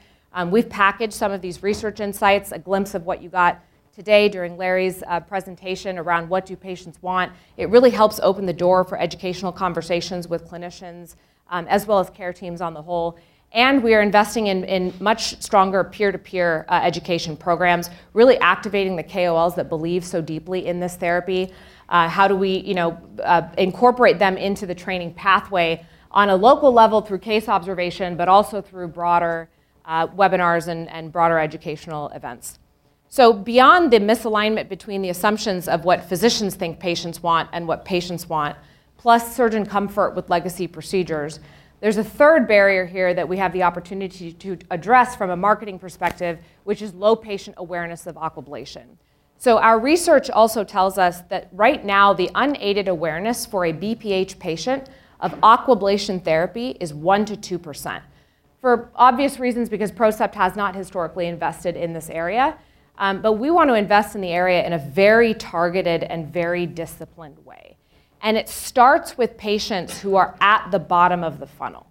We've packaged some of these research insights, a glimpse of what you got today during Larry's presentation around: "What do patients want?" It really helps open the door for educational conversations with clinicians, as well as care teams on the whole. We are investing in much stronger peer-to-peer education programs, really activating the KOLs that believe so deeply in this therapy. How do we, you know, incorporate them into the training pathway on a local level, through case observation, but also through broader webinars and broader educational events? Beyond the misalignment between the assumptions of what physicians think patients want and what patients want, plus surgeon comfort with legacy procedures, there's a third barrier here that we have the opportunity to address from a marketing perspective, which is low patient awareness of Aquablation. Our research also tells us that right now, the unaided awareness for a BPH patient of Aquablation therapy is 1%-2%, for obvious reasons, because PROCEPT has not historically invested in this area. But we want to invest in the area in a very targeted and very disciplined way. It starts with patients who are at the bottom of the funnel.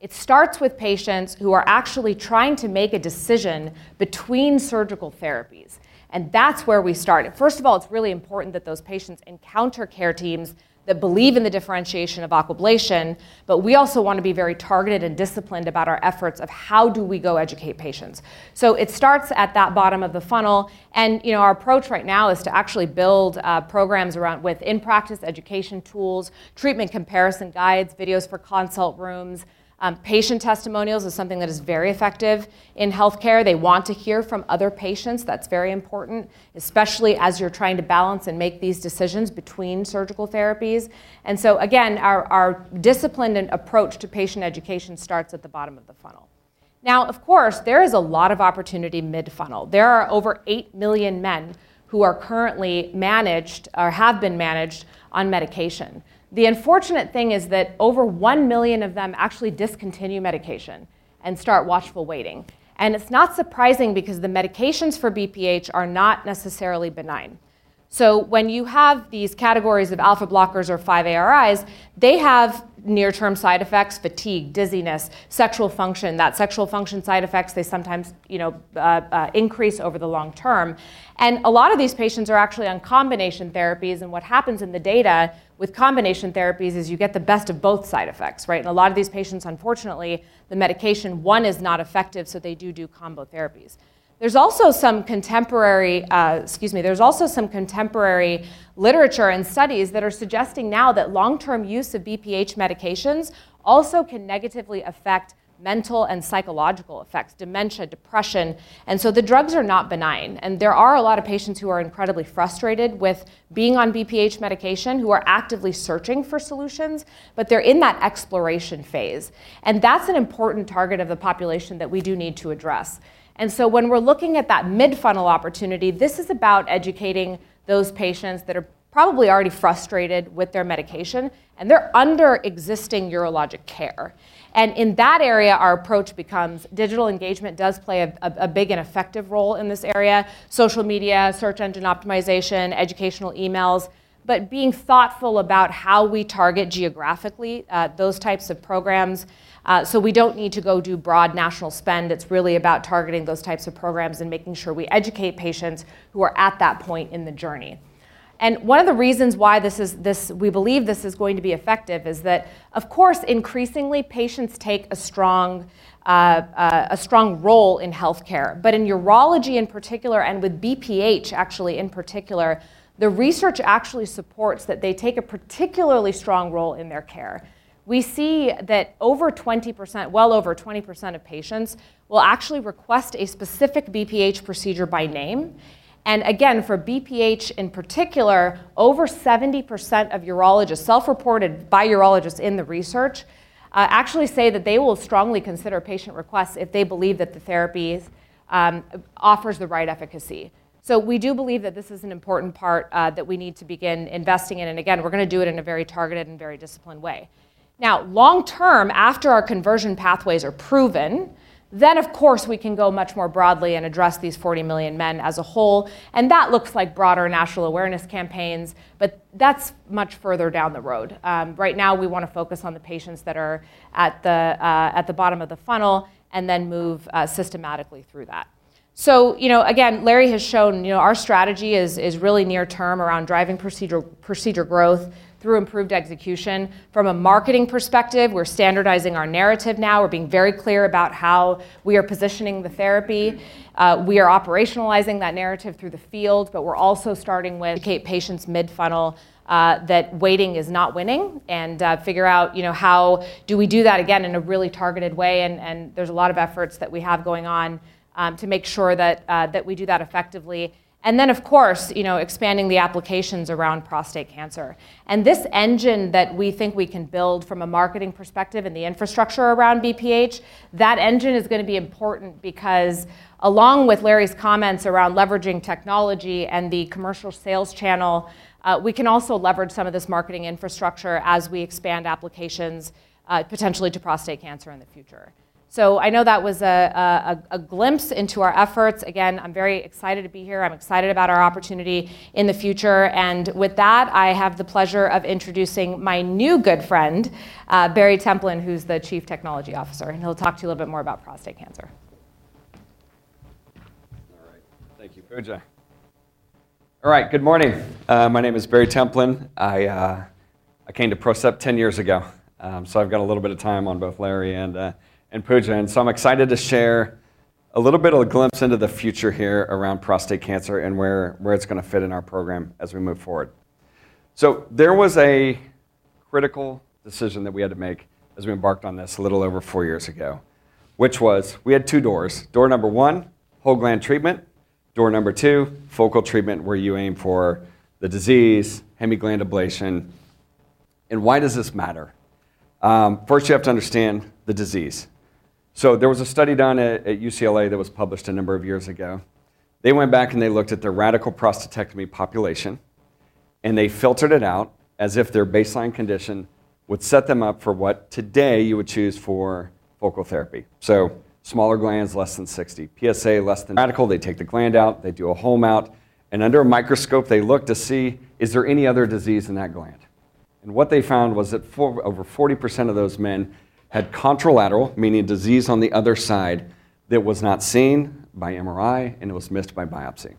It starts with patients who are actually trying to make a decision between surgical therapies, and that's where we start. It's really important that those patients encounter care teams that believe in the differentiation of Aquablation, but we also want to be very targeted and disciplined about our efforts of: how do we go educate patients? It starts at that bottom of the funnel, and, you know, our approach right now is to actually build programs with in-practice education tools, treatment comparison guides, videos for consult rooms. Patient testimonials is something that is very effective in healthcare. They want to hear from other patients. That's very important, especially as you're trying to balance and make these decisions between surgical therapies. Again, our disciplined approach to patient education starts at the bottom of the funnel. Of course, there is a lot of opportunity mid-funnel. There are over eight million men who are currently managed or have been managed on medication. The unfortunate thing is that over one million of them actually discontinue medication and start watchful waiting. It's not surprising because the medications for BPH are not necessarily benign. When you have these categories of alpha blockers or 5-ARIs, they have near-term side effects: fatigue, dizziness, sexual function. That sexual function side effects, they sometimes, you know, increase over the long term. A lot of these patients are actually on combination therapies, and what happens in the data with combination therapies is you get the best of both side effects, right? A lot of these patients, unfortunately, the medication, one, is not effective, so they do combo therapies. There's also some contemporary, excuse me. There's also some contemporary literature and studies that are suggesting now that long-term use of BPH medications also can negatively affect mental and psychological effects, dementia, depression. The drugs are not benign. There are a lot of patients who are incredibly frustrated with being on BPH medication, who are actively searching for solutions, but they're in that exploration phase, and that's an important target of the population that we do need to address. When we're looking at that mid-funnel opportunity, this is about educating those patients that are probably already frustrated with their medication, and they're under existing urologic care. In that area, our approach becomes digital engagement does play a big and effective role in this area, social media, search engine optimization, educational emails, but being thoughtful about how we target geographically those types of programs. We don't need to go do broad national spend. It's really about targeting those types of programs and making sure we educate patients who are at that point in the journey. One of the reasons why this is, we believe this is going to be effective is that, of course, increasingly, patients take a strong, a strong role in healthcare. In urology, in particular, and with BPH, actually, in particular, the research actually supports that they take a particularly strong role in their care. We see that over 20%, well over 20% of patients will actually request a specific BPH procedure by name. Again, for BPH, in particular, over 70% of urologists, self-reported by urologists in the research, actually say that they will strongly consider patient requests if they believe that the therapies offers the right efficacy. We do believe that this is an important part that we need to begin investing in, and again, we're going to do it in a very targeted and very disciplined way. Long term, after our conversion pathways are proven, then, of course, we can go much more broadly and address these 40 million men as a whole, and that looks like broader national awareness campaigns, but that's much further down the road. Right now, we want to focus on the patients that are at the bottom of the funnel and then move systematically through that. You know, again, Larry has shown, you know, our strategy is really near term around driving procedure growth through improved execution. From a marketing perspective, we're standardizing our narrative now. We're being very clear about how we are positioning the therapy. We are operationalizing that narrative through the field, but we're also starting with patients mid-funnel, that waiting is not winning. Figure out, you know, how do we do that again in a really targeted way, and there's a lot of efforts that we have going on to make sure that we do that effectively. Then, of course, you know, expanding the applications around prostate cancer. This engine that we think we can build from a marketing perspective and the infrastructure around BPH, that engine is gonna be important because along with Larry's comments around leveraging technology and the commercial sales channel, we can also leverage some of this marketing infrastructure as we expand applications, potentially to prostate cancer in the future. I know that was a glimpse into our efforts. Again, I'm very excited to be here. I'm excited about our opportunity in the future, and with that, I have the pleasure of introducing my new good friend, Barry Templin, who's the Chief Technology Officer, and he'll talk to you a little bit more about prostate cancer. All right. Thank you, Pooja. All right, good morning. My name is Barry Templin. I came to PROCEPT 10 years ago. I've got a little bit of time on both Larry and Pooja, I'm excited to share a little bit of a glimpse into the future here around prostate cancer and where it's gonna fit in our program as we move forward. There was a critical decision that we had to make as we embarked on this a little over four years ago, which was, we had two doors. Door number one, whole gland treatment. Door number two, focal treatment, where you aim for the disease, hemigland ablation. Why does this matter? First, you have to understand the disease. There was a study done at UCLA that was published a number of years ago. They went back, they looked at their radical prostatectomy population, and they filtered it out as if their baseline condition would set them up for what today you would choose for focal therapy. Smaller glands, less than 60, PSA, less than radical. They take the gland out, they do a whole mount, and under a microscope, they look to see, is there any other disease in that gland? What they found was that for over 40% of those men had contralateral, meaning disease on the other side that was not seen by MRI, and it was missed by biopsy.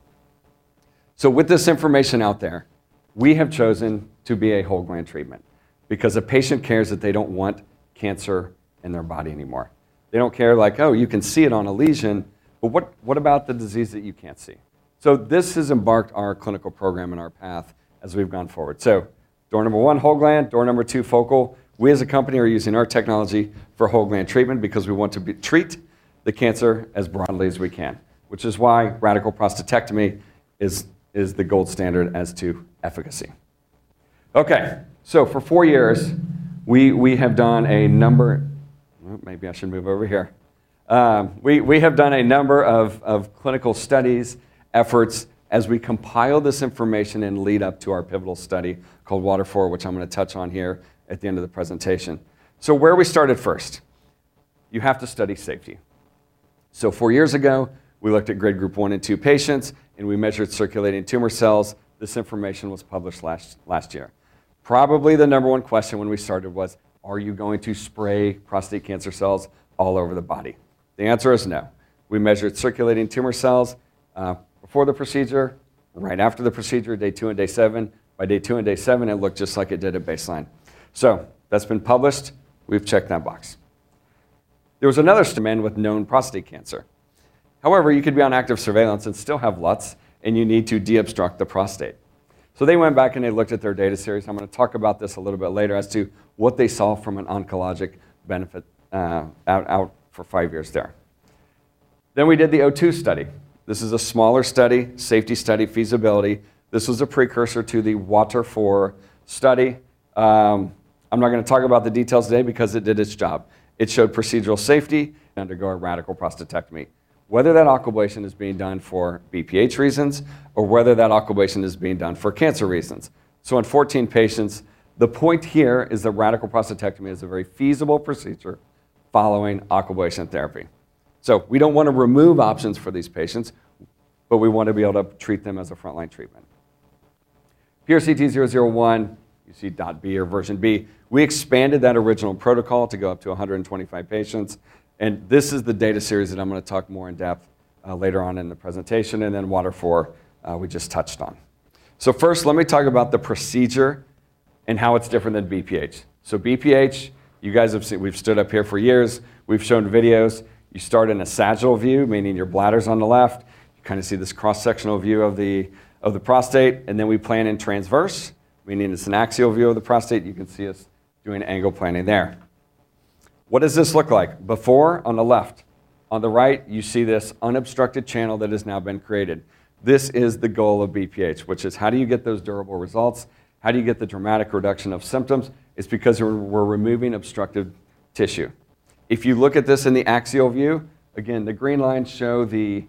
With this information out there, we have chosen to be a whole gland treatment because a patient cares that they don't want cancer in their body anymore. They don't care, like, oh, you can see it on a lesion, but what about the disease that you can't see? This has embarked our clinical program and our path as we've gone forward. Door number one, whole gland. Door number two, focal. We, as a company, are using our technology for whole gland treatment because we want to treat the cancer as broadly as we can, which is why radical prostatectomy is the gold standard as to efficacy. Okay, so for four years, we have done a number of clinical studies, efforts, as we compile this information and lead up to our pivotal study called WATER IV, which I'm gonna touch on here at the end of the presentation. Where we started first, you have to study safety. Four years ago, we looked at Grade Group 1 and 2 patients, and we measured circulating tumor cells. This information was published last year. Probably, the number one question when we started was: Are you going to spray prostate cancer cells all over the body? The answer is no. We measured circulating tumor cells before the procedure and right after the procedure, day one and day seven. By day two and day seven, it looked just like it did at baseline. That's been published. We've checked that box. There was another man with known prostate cancer. However, you could be on active surveillance and still have LUTS, and you need to deobstruct the prostate. They went back, and they looked at their data series. I'm gonna talk about this a little bit later as to what they saw from an oncologic benefit out for five years there. We did the 02 study. This is a smaller study, safety study, feasibility. This was a precursor to the WATER IV study. I'm not gonna talk about the details today because it did its job. It showed procedural safety, undergo a radical prostatectomy. Whether that Aquablation is being done for BPH reasons or whether that Aquablation is being done for cancer reasons. In 14 patients, the point here is that radical prostatectomy is a very feasible procedure following Aquablation therapy. We don't want to remove options for these patients, but we want to be able to treat them as a frontline treatment. PRCT001, you see .B or version B. We expanded that original protocol to go up to 125 patients. This is the data series that I'm going to talk more in depth later on in the presentation. WATER IV we just touched on. First, let me talk about the procedure and how it's different than BPH. BPH, you guys have seen, we've stood up here for years. We've shown videos. You start in a sagittal view, meaning your bladder's on the left. You kind of see this cross-sectional view of the prostate. We plan in transverse, meaning it's an axial view of the prostate. You can see us doing angle planning there. What does this look like? Before, on the left. On the right, you see this unobstructed channel that has now been created. This is the goal of BPH, which is, how do you get those durable results? How do you get the dramatic reduction of symptoms? It's because we're removing obstructive tissue. If you look at this in the axial view, again, the green lines show the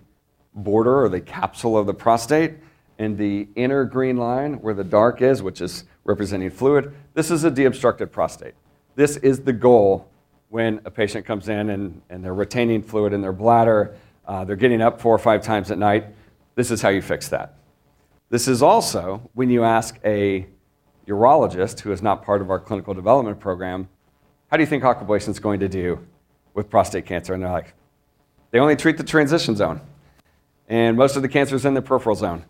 border or the capsule of the prostate, and the inner green line, where the dark is, which is representing fluid, this is a deobstructed prostate. This is the goal when a patient comes in and they're retaining fluid in their bladder, they're getting up four or five times at night. This is how you fix that. This is also when you ask a urologist, who is not part of our clinical development program, "How do you think Aquablation is going to do with prostate cancer?" They're like, "They only treat the transition zone, and most of the cancer is in the peripheral zone."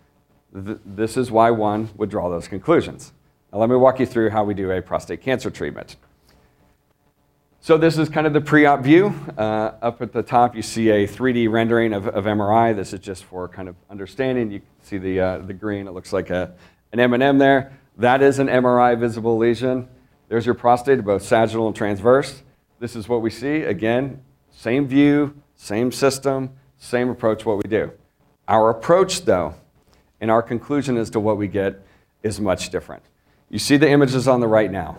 This is why one would draw those conclusions. Let me walk you through how we do a prostate cancer treatment. This is kind of the pre-op view. Up at the top, you see a 3D rendering of MRI. This is just for kind of understanding. You can see the green. It looks like an M&M there. That is an MRI-visible lesion. There's your prostate, both sagittal and transverse. This is what we see. Same view, same system, same approach what we do. Our approach, though, and our conclusion as to what we get is much different. You see the images on the right now.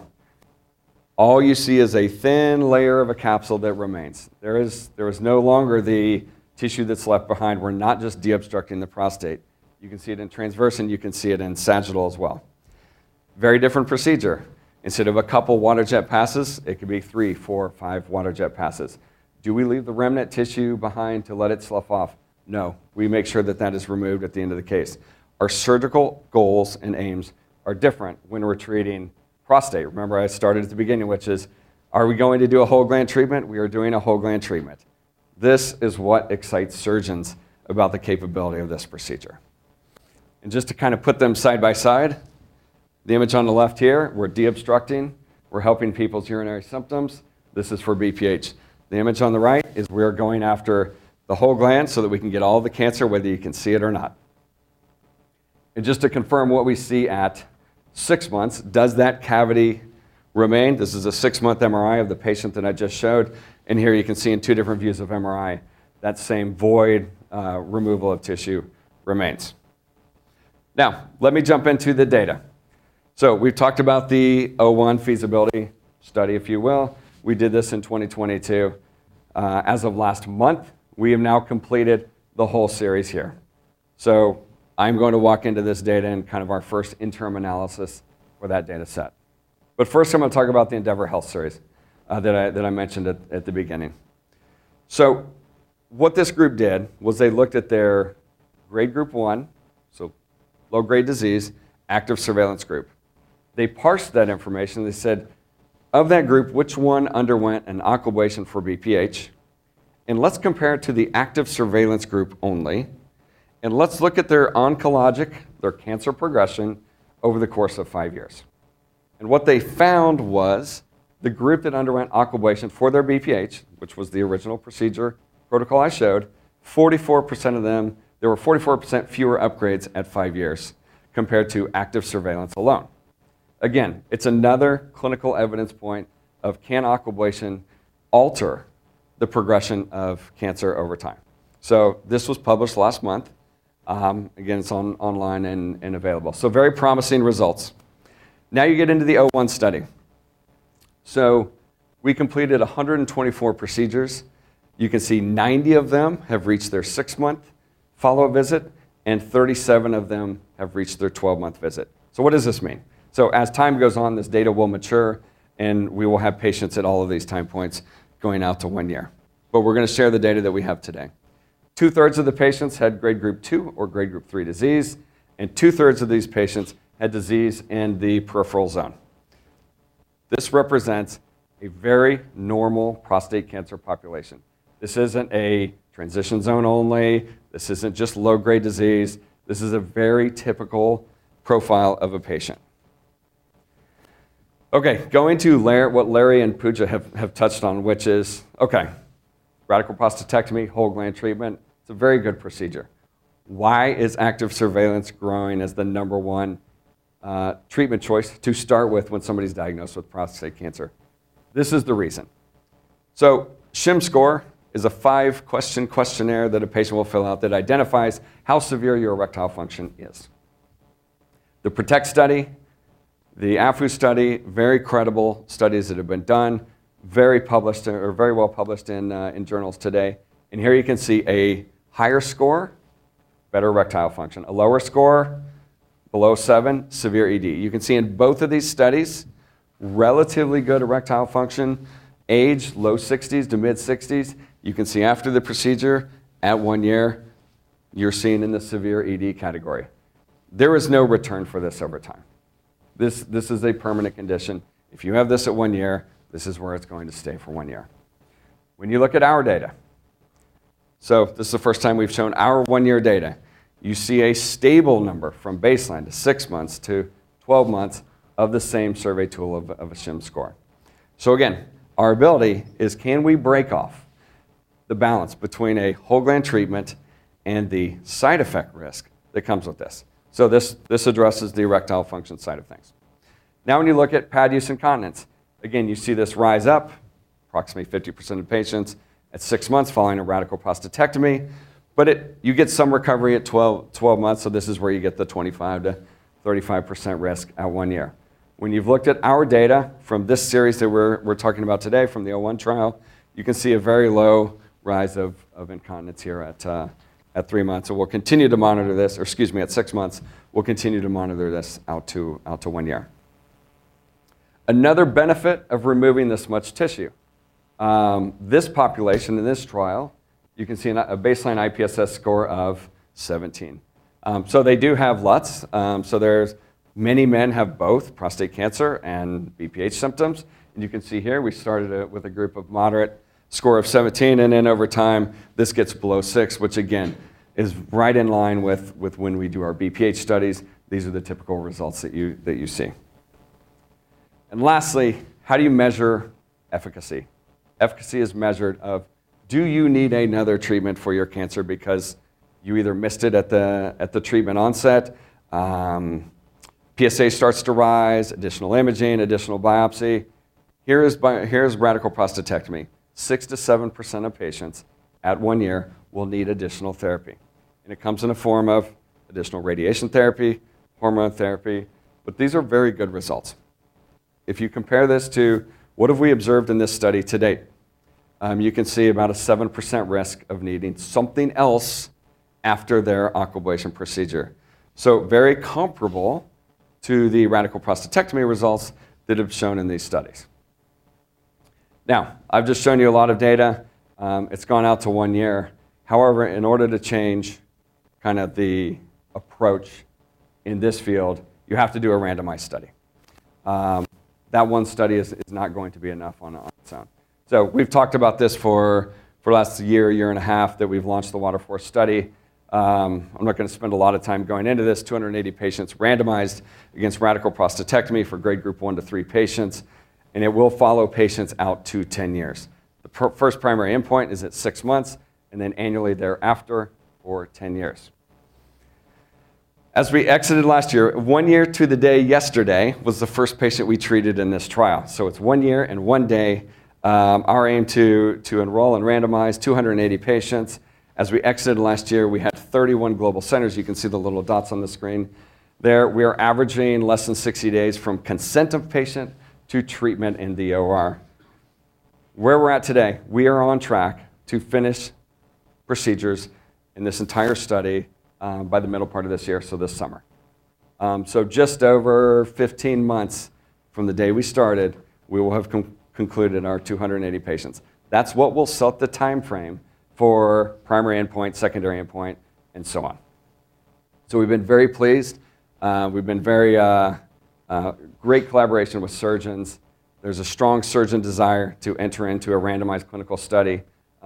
All you see is a thin layer of a capsule that remains. There is no longer the tissue that's left behind. We're not just deobstructing the prostate. You can see it in transverse, and you can see it in sagittal as well. Very different procedure. Instead of a couple waterjet passes, it could be three, four, five waterjet passes. Do we leave the remnant tissue behind to let it slough off? No. We make sure that is removed at the end of the case. Our surgical goals and aims are different when we're treating prostate. Remember, I started at the beginning, which is: Are we going to do a whole-gland treatment? We are doing a whole-gland treatment. This is what excites surgeons about the capability of this procedure. Just to kind of put them side by side, the image on the left here, we're deobstructing. We're helping people's urinary symptoms. This is for BPH. The image on the right is we are going after the whole gland so that we can get all of the cancer, whether you can see it or not. Just to confirm what we see at six months, does that cavity remain? This is a six-month MRI of the patient that I just showed, and here you can see in two different views of MRI, that same void, removal of tissue remains. Now, let me jump into the data. We've talked about the 01 feasibility study, if you will. We did this in 2022. As of last month, we have now completed the whole series here. I'm going to walk into this data and kind of our first interim analysis for that data set. First, I'm gonna talk about the Endeavor Health series that I mentioned at the beginning. What this group did was they looked at their Grade Group 1, so low-grade disease, active surveillance group. They parsed that information. They said, "Of that group, which one underwent an Aquablation for BPH? Let's compare it to the active surveillance group only, and let's look at their oncologic, their cancer progression, over the course of five years." What they found was the group that underwent Aquablation for their BPH, which was the original procedure protocol I showed, there were 44% fewer upgrades at five years compared to active surveillance alone. It's another clinical evidence point of, "Can Aquablation alter the progression of cancer over time?" This was published last month. It's online and available. Very promising results. You get into the 01 study. We completed 124 procedures. You can see 90 of them have reached their six-month follow-up visit, and 37 of them have reached their 12-month visit. What does this mean? As time goes on, this data will mature, and we will have patients at all of these time points going out to one year. We're gonna share the data that we have today. Two-thirds of the patients had Grade Group 2 or Grade Group 3 disease, and two-thirds of these patients had disease in the peripheral zone. This represents a very normal prostate cancer population. This isn't a transition zone only. This isn't just low-grade disease. This is a very typical profile of a patient. Okay, going to what Larry and Pooja have touched on, which is, okay, radical prostatectomy, whole-gland treatment, it's a very good procedure. Why is active surveillance growing as the number one treatment choice to start with when somebody's diagnosed with prostate cancer? This is the reason. SHIM score is a five-question questionnaire that a patient will fill out that identifies how severe your erectile function is. The ProtecT study, the AFU study, very credible studies that have been done, very published, or very well published in journals today. Here you can see a higher score, better erectile function. A lower score, below seven, severe ED. You can see in both of these studies, relatively good erectile function, age, low 60s to mid-60s. You can see after the procedure, at one year, you're seen in the severe ED category. There is no return for this over time. This is a permanent condition. If you have this at one year, this is where it's going to stay for one year. When you look at our data, this is the first time we've shown our one-year data, you see a stable number from baseline to six months to 12 months of the same survey tool of a SHIM score. Again, our ability is, can we break off the balance between a whole gland treatment and the side effect risk that comes with this? This addresses the erectile function side of things. When you look at pad use incontinence, again, you see this rise up approximately 50% of patients at six months following a radical prostatectomy, you get some recovery at 12 months, this is where you get the 25%-35% risk at one year. When you've looked at our data from this series that we're talking about today, from the 01 trial, you can see a very low rise of incontinence here at three months. We'll continue to monitor this or excuse me, at six months. We'll continue to monitor this out to one year. Another benefit of removing this much tissue, this population in this trial, you can see a baseline IPSS score of 17. They do have LUTS. There's many men have both prostate cancer and BPH symptoms. You can see here, we started out with a group of moderate score of 17, then over time, this gets below six, which again, is right in line with when we do our BPH studies, these are the typical results that you see. Lastly, how do you measure efficacy? Efficacy is measured of, do you need another treatment for your cancer because you either missed it at the treatment onset, PSA starts to rise, additional imaging, additional biopsy? Here is radical prostatectomy. 6%-7% of patients at one year will need additional therapy, and it comes in the form of additional radiation therapy, hormone therapy, but these are very good results. If you compare this to, what have we observed in this study to date? You can see about a 7% risk of needing something else after their Aquablation procedure. Very comparable to the radical prostatectomy results that have shown in these studies. Now, I've just shown you a lot of data. It's gone out to one year. However, in order to change kind of the approach in this field, you have to do a randomized study. That one study is not going to be enough on its own. We've talked about this for the last year and a half, that we've launched the WATERFORCE study. I'm not going to spend a lot of time going into this. 280 patients randomized against radical prostatectomy for Grade Group 1 to 3 patients. It will follow patients out to 10 years. The first primary endpoint is at six months, and then annually thereafter, for 10 years. As we exited last year, one year to the day yesterday, was the first patient we treated in this trial. It's one year and one day. Our aim to enroll and randomize 280 patients. As we exited last year, we had 31 global centers. You can see the little dots on the screen there. We are averaging less than 60 days from consent of patient to treatment in the OR. Where we're at today, we are on track to finish procedures in this entire study by the middle part of this year, so this summer. Just over 15 months from the day we started, we will have concluded our 280 patients. That's what will set the time frame for primary endpoint, secondary endpoint, and so on. We've been very pleased. We've been very, a great collaboration with surgeons. There's a strong surgeon desire to enter into a randomized clinical study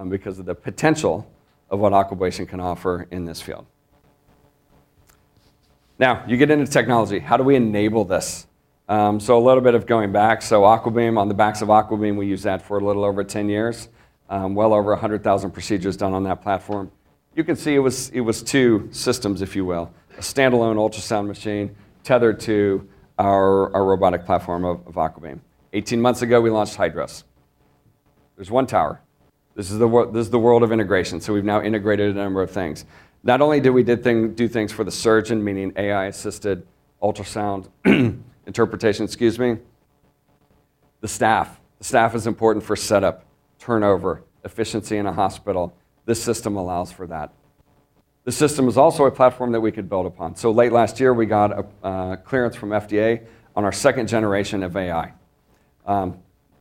because of the potential of what Aquablation can offer in this field. You get into technology. How do we enable this? A little bit of going back. AquaBeam, on the backs of AquaBeam, we used that for a little over 10 years. Well over 100,000 procedures done on that platform. You can see it was two systems, if you will. A standalone ultrasound machine tethered to our robotic platform of AquaBeam. 18 months ago, we launched HYDROS. There's one tower. This is the world of integration. We've now integrated a number of things. Not only did we do things for the surgeon, meaning AI-assisted ultrasound interpretation. Excuse me. The staff is important for setup, turnover, efficiency in a hospital. This system allows for that. This system is also a platform that we could build upon. Late last year, we got a clearance from FDA on our second generation of AI.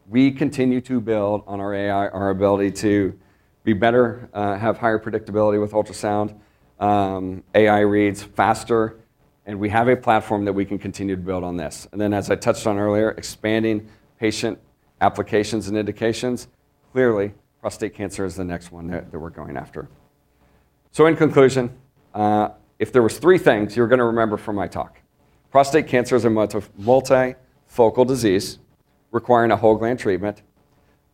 We continue to build on our AI, our ability to be better, have higher predictability with ultrasound. AI reads faster, we have a platform that we can continue to build on this. As I touched on earlier, expanding patient applications and indications. Clearly, prostate cancer is the next one that we're going after. In conclusion, if there was three things you're going to remember from my talk: prostate cancer is a multifocal disease requiring a whole-gland treatment.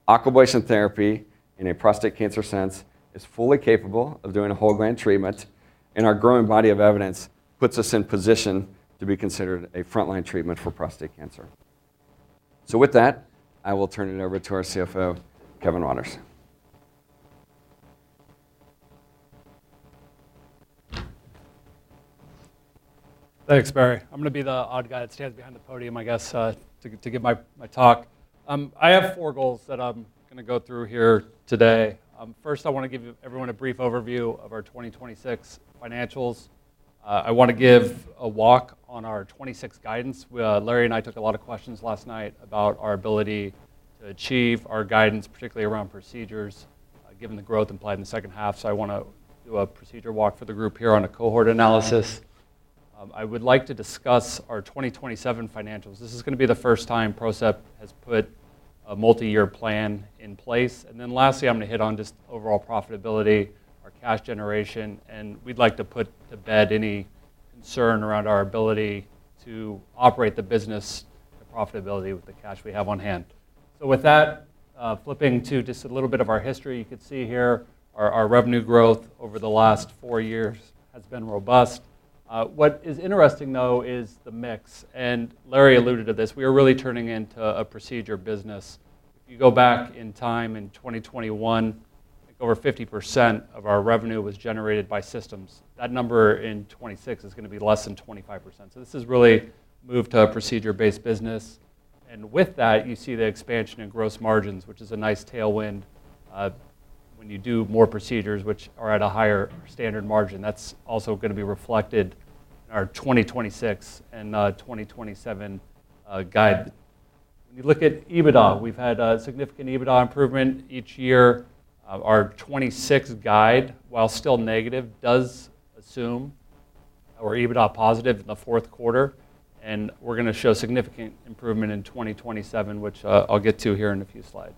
Aquablation therapy, in a prostate cancer sense, is fully capable of doing a whole-gland treatment, and our growing body of evidence puts us in position to be considered a frontline treatment for prostate cancer. With that, I will turn it over to our CFO, Kevin Waters. Thanks, Barry. I'm going to be the odd guy that stands behind the podium, I guess, to give my talk. I have four goals that I'm going to go through here today. First, I want to give everyone a brief overview of our 2026 financials. I want to give a walk on our 2026 guidance. Well, Larry and I took a lot of questions last night about our ability to achieve our guidance, particularly around procedures, given the growth implied in the second half. I want to do a procedure walk for the group here on a cohort analysis. I would like to discuss our 2027 financials. This is going to be the first time PROCEPT has put a multi-year plan in place. Lastly, I'm going to hit on just overall profitability, our cash generation, and we'd like to put to bed any concern around our ability to operate the business, the profitability with the cash we have on hand. With that, flipping to just a little bit of our history, you can see here our revenue growth over the last four years has been robust. What is interesting, though, is the mix, and Larry alluded to this. We are really turning into a procedure business. If you go back in time, in 2021, over 50% of our revenue was generated by systems. That number in 2026 is going to be less than 25%. This has really moved to a procedure-based business, and with that, you see the expansion in gross margins, which is a nice tailwind. When you do more procedures, which are at a higher standard margin, that's also gonna be reflected in our 2026 and 2027 guide. When you look at EBITDA, we've had a significant EBITDA improvement each year. Our 2026 guide, while still negative, does assume our EBITDA positive in the fourth quarter, and we're gonna show significant improvement in 2027, which I'll get to here in a few slides.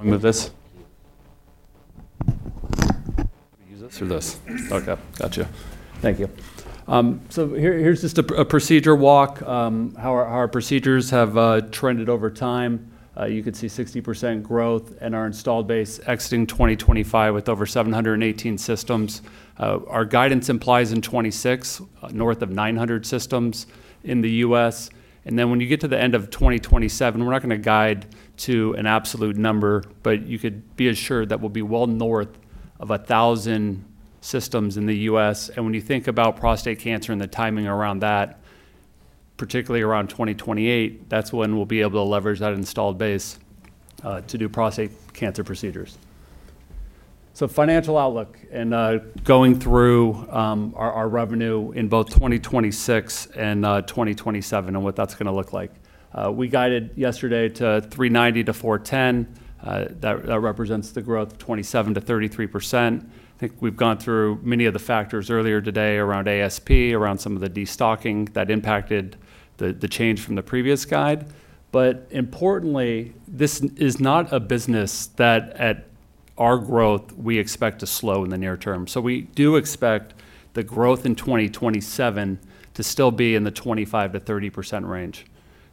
Want to move this? Use this or this? Okay, gotcha. Thank you. Here's just a procedure walk, how our procedures have trended over time. You could see 60% growth in our installed base exiting 2025, with over 718 systems. Our guidance implies in 2026, north of 900 systems in the U.S. When you get to the end of 2027, we're not gonna guide to an absolute number, but you could be assured that we'll be well north of 1,000 systems in the U.S. When you think about prostate cancer and the timing around that, particularly around 2028, that's when we'll be able to leverage that installed base to do prostate cancer procedures. Financial outlook, going through our revenue in both 2026 and 2027, and what that's gonna look like. We guided yesterday to $390-$410. That represents the growth of 27%-33%. I think we've gone through many of the factors earlier today around ASP, around some of the destocking that impacted the change from the previous guide. Importantly, this is not a business that at our growth, we expect to slow in the near term. We do expect the growth in 2027 to still be in the 25%-30% range.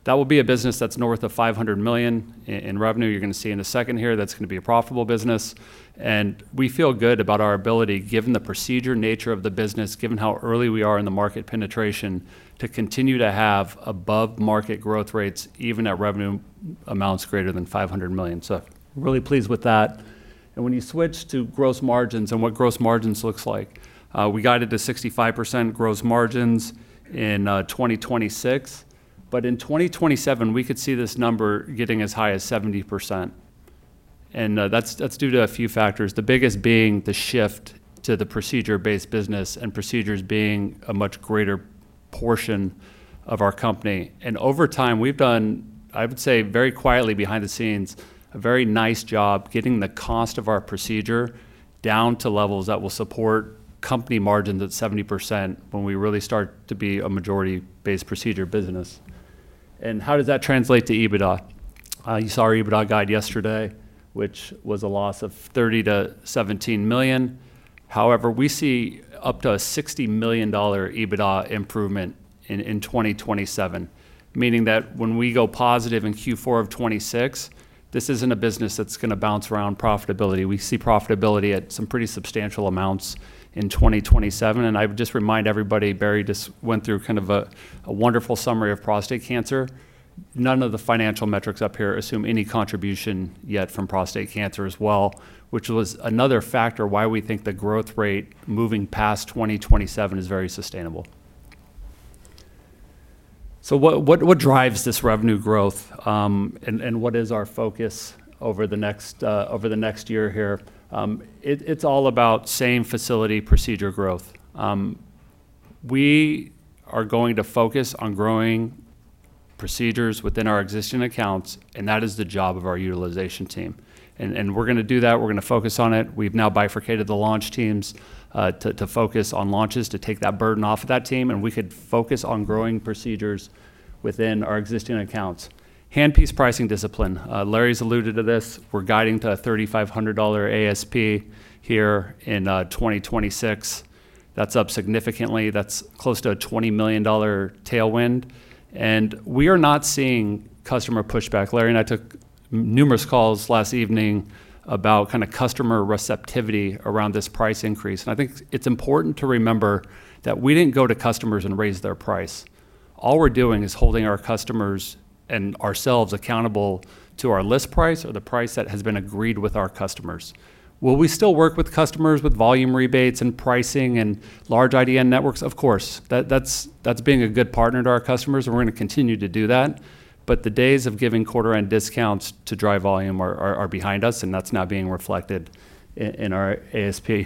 That will be a business that's north of $500 million in revenue. You're gonna see in a second here, that's gonna be a profitable business. We feel good about our ability, given the procedure nature of the business, given how early we are in the market penetration, to continue to have above-market growth rates, even at revenue amounts greater than $500 million. Really pleased with that. When you switch to gross margins and what gross margins looks like, we guided to 65% gross margins in 2026, in 2027, we could see this number getting as high as 70%. That's due to a few factors, the biggest being the shift to the procedure-based business and procedures being a much greater portion of our company. Over time, we've done, I would say, very quietly behind the scenes, a very nice job getting the cost of our procedure down to levels that will support company margins at 70% when we really start to be a majority-based procedure business. How does that translate to EBITDA? You saw our EBITDA guide yesterday, which was a loss of $30 million-$17 million. However, we see up to a $60 million EBITDA improvement in 2027, meaning that when we go positive in Q4 of 2026, this isn't a business that's gonna bounce around profitability. We see profitability at some pretty substantial amounts in 2027. I would just remind everybody, Barry just went through kind of a wonderful summary of prostate cancer. None of the financial metrics up here assume any contribution yet from prostate cancer as well, which was another factor why we think the growth rate moving past 2027 is very sustainable. What drives this revenue growth, and what is our focus over the next year here? It's all about same-facility procedure growth. We are going to focus on growing procedures within our existing accounts, that is the job of our utilization team, and we're gonna do that. We're gonna focus on it. We've now bifurcated the launch teams to focus on launches, to take that burden off of that team. We could focus on growing procedures within our existing accounts. Handpiece pricing discipline. Larry's alluded to this. We're guiding to a $3,500 ASP here in 2026. That's up significantly. That's close to a $20 million tailwind. We are not seeing customer pushback. Larry and I took numerous calls last evening about kind of customer receptivity around this price increase. I think it's important to remember that we didn't go to customers and raise their price. All we're doing is holding our customers and ourselves accountable to our list price, or the price that has been agreed with our customers. Will we still work with customers with volume rebates and pricing and large IDN networks? Of course. That's being a good partner to our customers, and we're gonna continue to do that, but the days of giving quarter-end discounts to drive volume are behind us, and that's now being reflected in our ASP.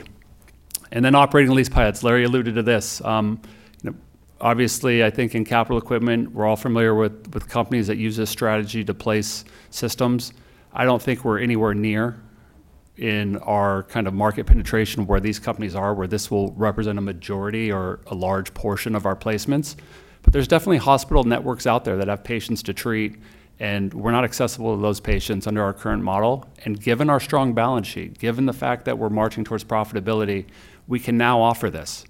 Then operating lease payouts, Larry alluded to this. You know, obviously, I think in capital equipment, we're all familiar with companies that use this strategy to place systems. I don't think we're anywhere near in our kind of market penetration where these companies are, where this will represent a majority or a large portion of our placements, but there's definitely hospital networks out there that have patients to treat, and we're not accessible to those patients under our current model. Given our strong balance sheet, given the fact that we're marching towards profitability, we can now offer this.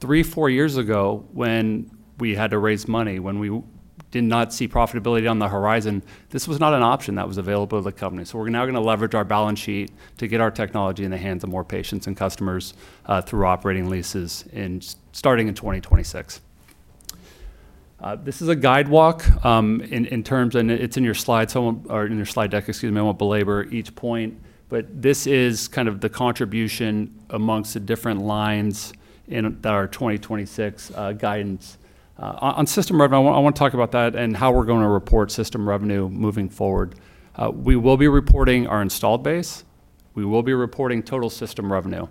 Three, four years ago, when we had to raise money, when we did not see profitability on the horizon, this was not an option that was available to the company. We're now gonna leverage our balance sheet to get our technology in the hands of more patients and customers through operating leases starting in 2026. This is a guide walk, and it's in your slides, or in your slide deck, excuse me, I won't belabor each point. This is kind of the contribution amongst the different lines in our 2026 guidance. On system revenue, I want to talk about that and how we're gonna report system revenue moving forward. We will be reporting total system revenue.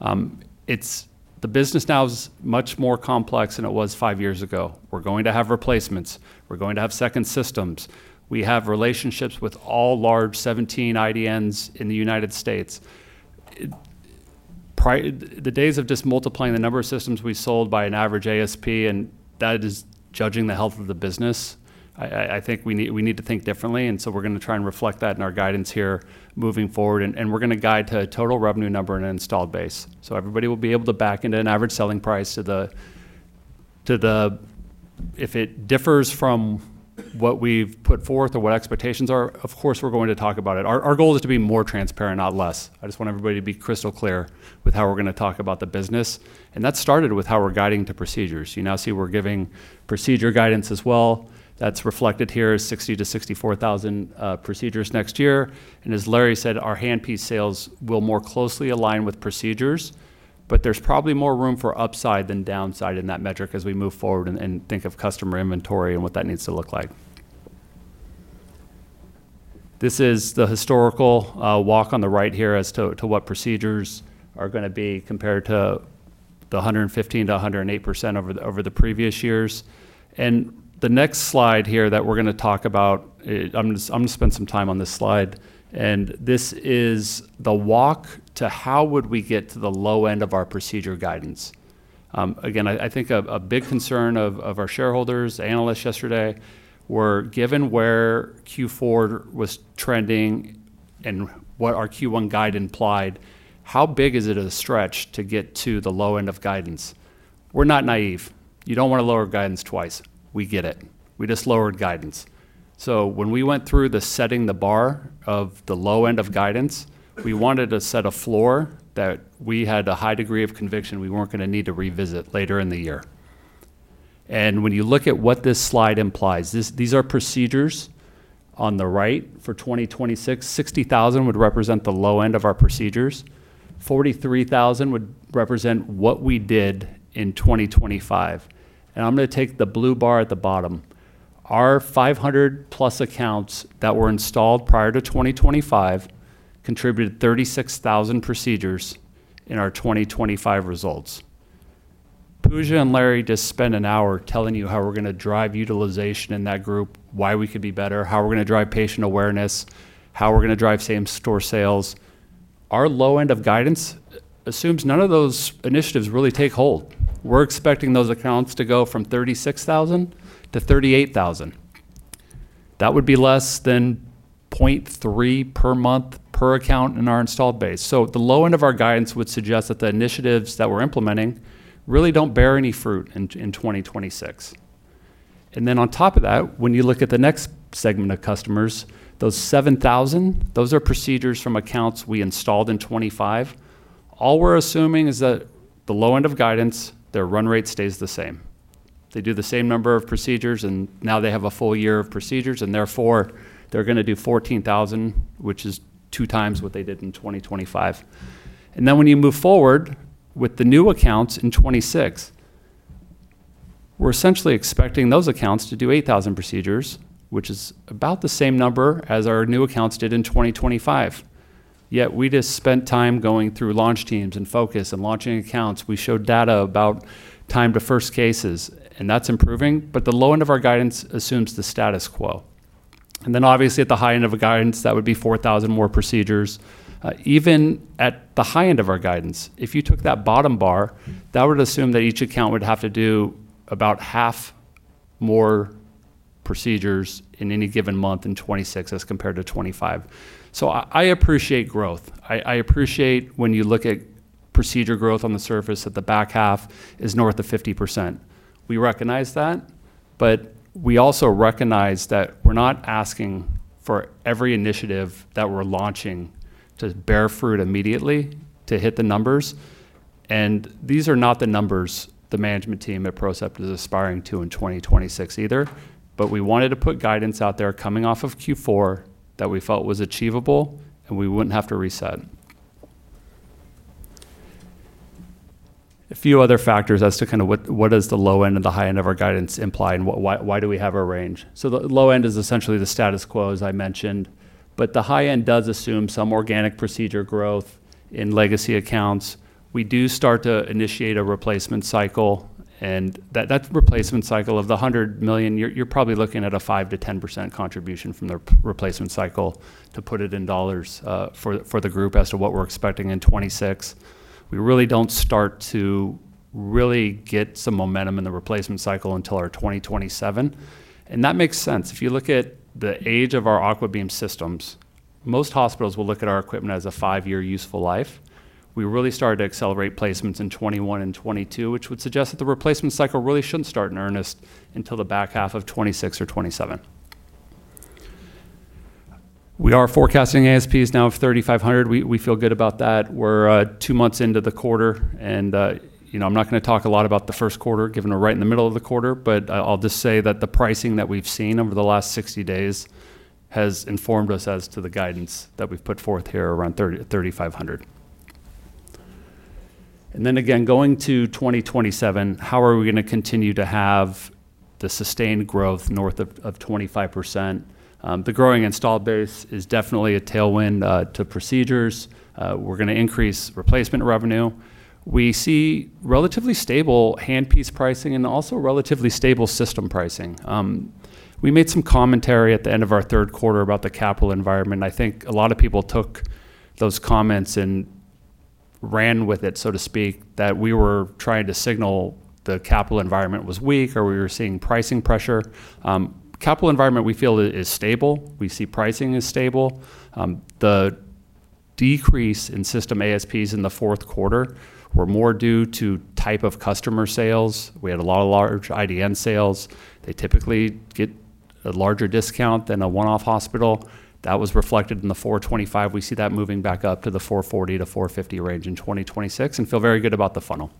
The business now is much more complex than it was five years ago. We're going to have replacements. We're going to have second systems. We have relationships with all large 17 IDNs in the United States. The days of just multiplying the number of systems we sold by an average ASP, and that is judging the health of the business, I think we need to think differently, and so we're gonna try and reflect that in our guidance here moving forward. We're gonna guide to a total revenue number and an installed base. Everybody will be able to back into an average selling price to the, to the. If it differs from what we've put forth or what expectations are, of course, we're going to talk about it. Our goal is to be more transparent, not less. I just want everybody to be crystal clear with how we're gonna talk about the business, and that started with how we're guiding to procedures. You now see we're giving procedure guidance as well. That's reflected here as 60,000-64,000 procedures next year. As Larry said, our handpiece sales will more closely align with procedures, but there's probably more room for upside than downside in that metric as we move forward and think of customer inventory and what that needs to look like. This is the historical walk on the right here as to what procedures are gonna be compared to the 115%-108% over the previous years. The next slide here that we're gonna talk about, I'm gonna spend some time on this slide, and this is the walk to how would we get to the low end of our procedure guidance. Again, I think a big concern of our shareholders, analysts yesterday, were given where Q4 was trending and what our Q1 guide implied, how big is it a stretch to get to the low end of guidance? We're not naive. You don't want to lower guidance twice. We get it. We just lowered guidance. When we went through the setting the bar of the low end of guidance, we wanted to set a floor that we had a high degree of conviction we weren't gonna need to revisit later in the year. When you look at what this slide implies, these are procedures on the right for 2026. 60,000 would represent the low end of our procedures. 43,000 would represent what we did in 2025. I'm gonna take the blue bar at the bottom. Our 500+ accounts that were installed prior to 2025 contributed 36,000 procedures in our 2025 results. Pooja and Larry just spent an hour telling you how we're gonna drive utilization in that group, why we could be better, how we're gonna drive patient awareness, how we're gonna drive same-store sales. Our low end of guidance assumes none of those initiatives really take hold. We're expecting those accounts to go from 36,000 to 38,000. That would be less than 0.3 per month per account in our installed base. The low end of our guidance would suggest that the initiatives that we're implementing really don't bear any fruit in 2026. On top of that, when you look at the next segment of customers, those 7,000, those are procedures from accounts we installed in 2025. All we're assuming is that the low end of guidance, their run rate stays the same. They do the same number of procedures, and now they have a full year of procedures, and therefore, they're gonna do 14,000, which is 2x what they did in 2025. When you move forward with the new accounts in 2026, we're essentially expecting those accounts to do 8,000 procedures, which is about the same number as our new accounts did in 2025. We just spent time going through launch teams and focus and launching accounts. We showed data about time to first cases, and that's improving, but the low end of our guidance assumes the status quo. Obviously, at the high end of a guidance, that would be 4,000 more procedures. Even at the high end of our guidance, if you took that bottom bar, that would assume that each account would have to do about half more procedures in any given month in 2026 as compared to 2025. I appreciate growth. I appreciate when you look at procedure growth on the surface, that the back half is north of 50%. We recognize that, but we also recognize that we're not asking for every initiative that we're launching to bear fruit immediately to hit the numbers. These are not the numbers the management team at PROCEPT is aspiring to in 2026 either. We wanted to put guidance out there coming off of Q4 that we felt was achievable, and we wouldn't have to reset. A few other factors as to what does the low end and the high end of our guidance imply, and why do we have a range? The low end is essentially the status quo, as I mentioned, but the high end does assume some organic procedure growth in legacy accounts. We do start to initiate a replacement cycle, and that replacement cycle of the $100 million, you're probably looking at a 5%-10% contribution from the replacement cycle to put it in dollars for the group as to what we're expecting in 2026. We really don't start to really get some momentum in the replacement cycle until our 2027. That makes sense. If you look at the age of our AquaBeam systems, most hospitals will look at our equipment as a five-year useful life. We really started to accelerate placements in 2021 and 2022, which would suggest that the replacement cycle really shouldn't start in earnest until the back half of 2026 or 2027. We are forecasting ASPs now of $3,500. We feel good about that. We're, you know, two months into the quarter, and I'm not going to talk a lot about the first quarter, given we're right in the middle of the quarter, but I'll just say that the pricing that we've seen over the last 60 days has informed us as to the guidance that we've put forth here around 3,000-3,500. Then again, going to 2027, how are we going to continue to have the sustained growth north of 25%? The growing installed base is definitely a tailwind to procedures. We're going to increase replacement revenue. We see relatively stable handpiece pricing and also relatively stable system pricing. We made some commentary at the end of our third quarter about the capital environment, I think a lot of people took those comments and ran with it, so to speak, that we were trying to signal the capital environment was weak or we were seeing pricing pressure. Capital environment we feel is stable. We see pricing is stable. The decrease in system ASPs in the fourth quarter were more due to type of customer sales. We had a lot of large IDN sales. They typically get a larger discount than a one-off hospital. That was reflected in the $425. We see that moving back up to the $440-$450 range in 2026 and feel very good about the funnel.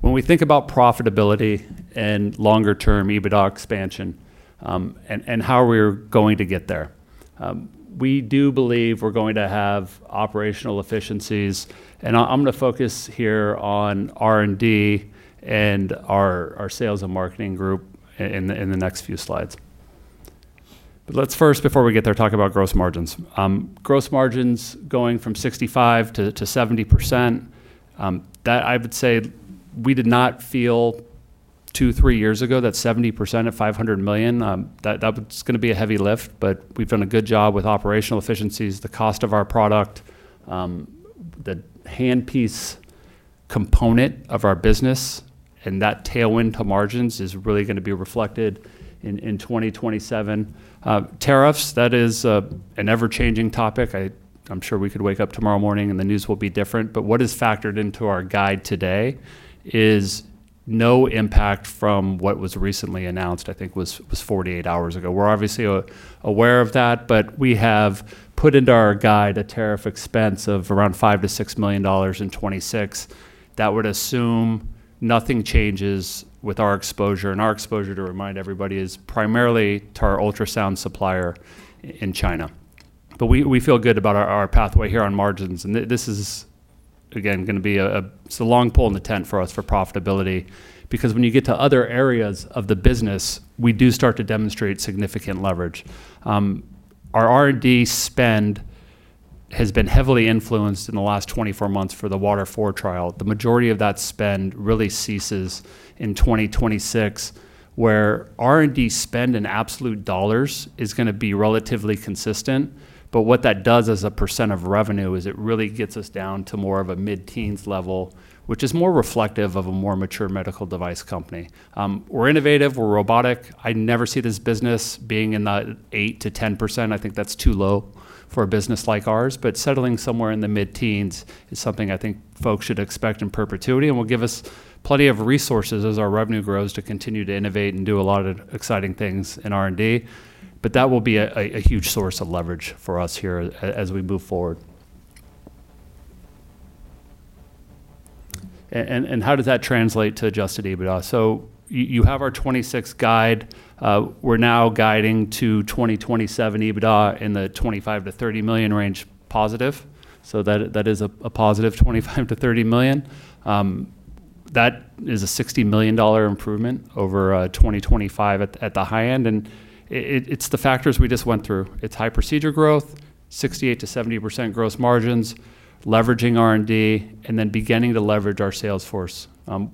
When we think about profitability and longer-term EBITDA expansion, and how we're going to get there, we do believe we're going to have operational efficiencies. I'm going to focus here on R&D and our sales and marketing group in the next few slides. Let's first, before we get there, talk about gross margins. Gross margins going from 65%-70%, that I would say we did not feel two, three years ago that 70% of $500 million, that was going to be a heavy lift, but we've done a good job with operational efficiencies, the cost of our product, the handpiece component of our business, and that tailwind to margins is really going to be reflected in 2027. Tariffs, that is, an ever-changing topic. I'm sure we could wake up tomorrow morning and the news will be different. What is factored into our guide today is no impact from what was recently announced, I think was 48 hours ago. We're obviously aware of that, but we have put into our guide a tariff expense of around $5 million-$6 million in 2026. That would assume nothing changes with our exposure, and our exposure, to remind everybody, is primarily to our ultrasound supplier in China. We feel good about our pathway here on margins, and this is, again, going to be a, it's a long pole in the tent for us for profitability, because when you get to other areas of the business, we do start to demonstrate significant leverage. Our R&D spend has been heavily influenced in the last 24 months for the WATER IV trial. The majority of that spend really ceases in 2026, where R&D spend in absolute dollars is going to be relatively consistent. What that does as a percent of revenue is it really gets us down to more of a mid-teens level, which is more reflective of a more mature medical device company. We're innovative, we're robotic. I never see this business being in the 8%-10%. I think that's too low for a business like ours. Settling somewhere in the mid-teens is something I think folks should expect in perpetuity and will give us plenty of resources as our revenue grows, to continue to innovate and do a lot of exciting things in R&D. That will be a huge source of leverage for us here as we move forward. How does that translate to adjusted EBITDA? You have our 2026 guide. We're now guiding to 2027 EBITDA in the $25 million-$30 million range positive, so that is a positive $25 million-$30 million. That is a $60 million improvement over 2025 at the high end, and it's the factors we just went through. It's high procedure growth, 68%-70% gross margins, leveraging R&D, and then beginning to leverage our sales force.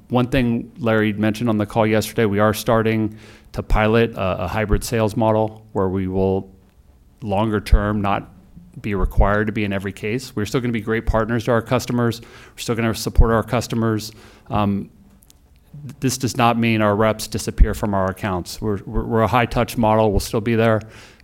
One thing Larry mentioned on the call yesterday, we are starting to pilot a hybrid sales model where we will, longer term, not be required to be in every case. We're still going to be great partners to our customers. We're still going to support our customers. This does not mean our reps disappear from our accounts. We're a high-touch model, we'll still be there.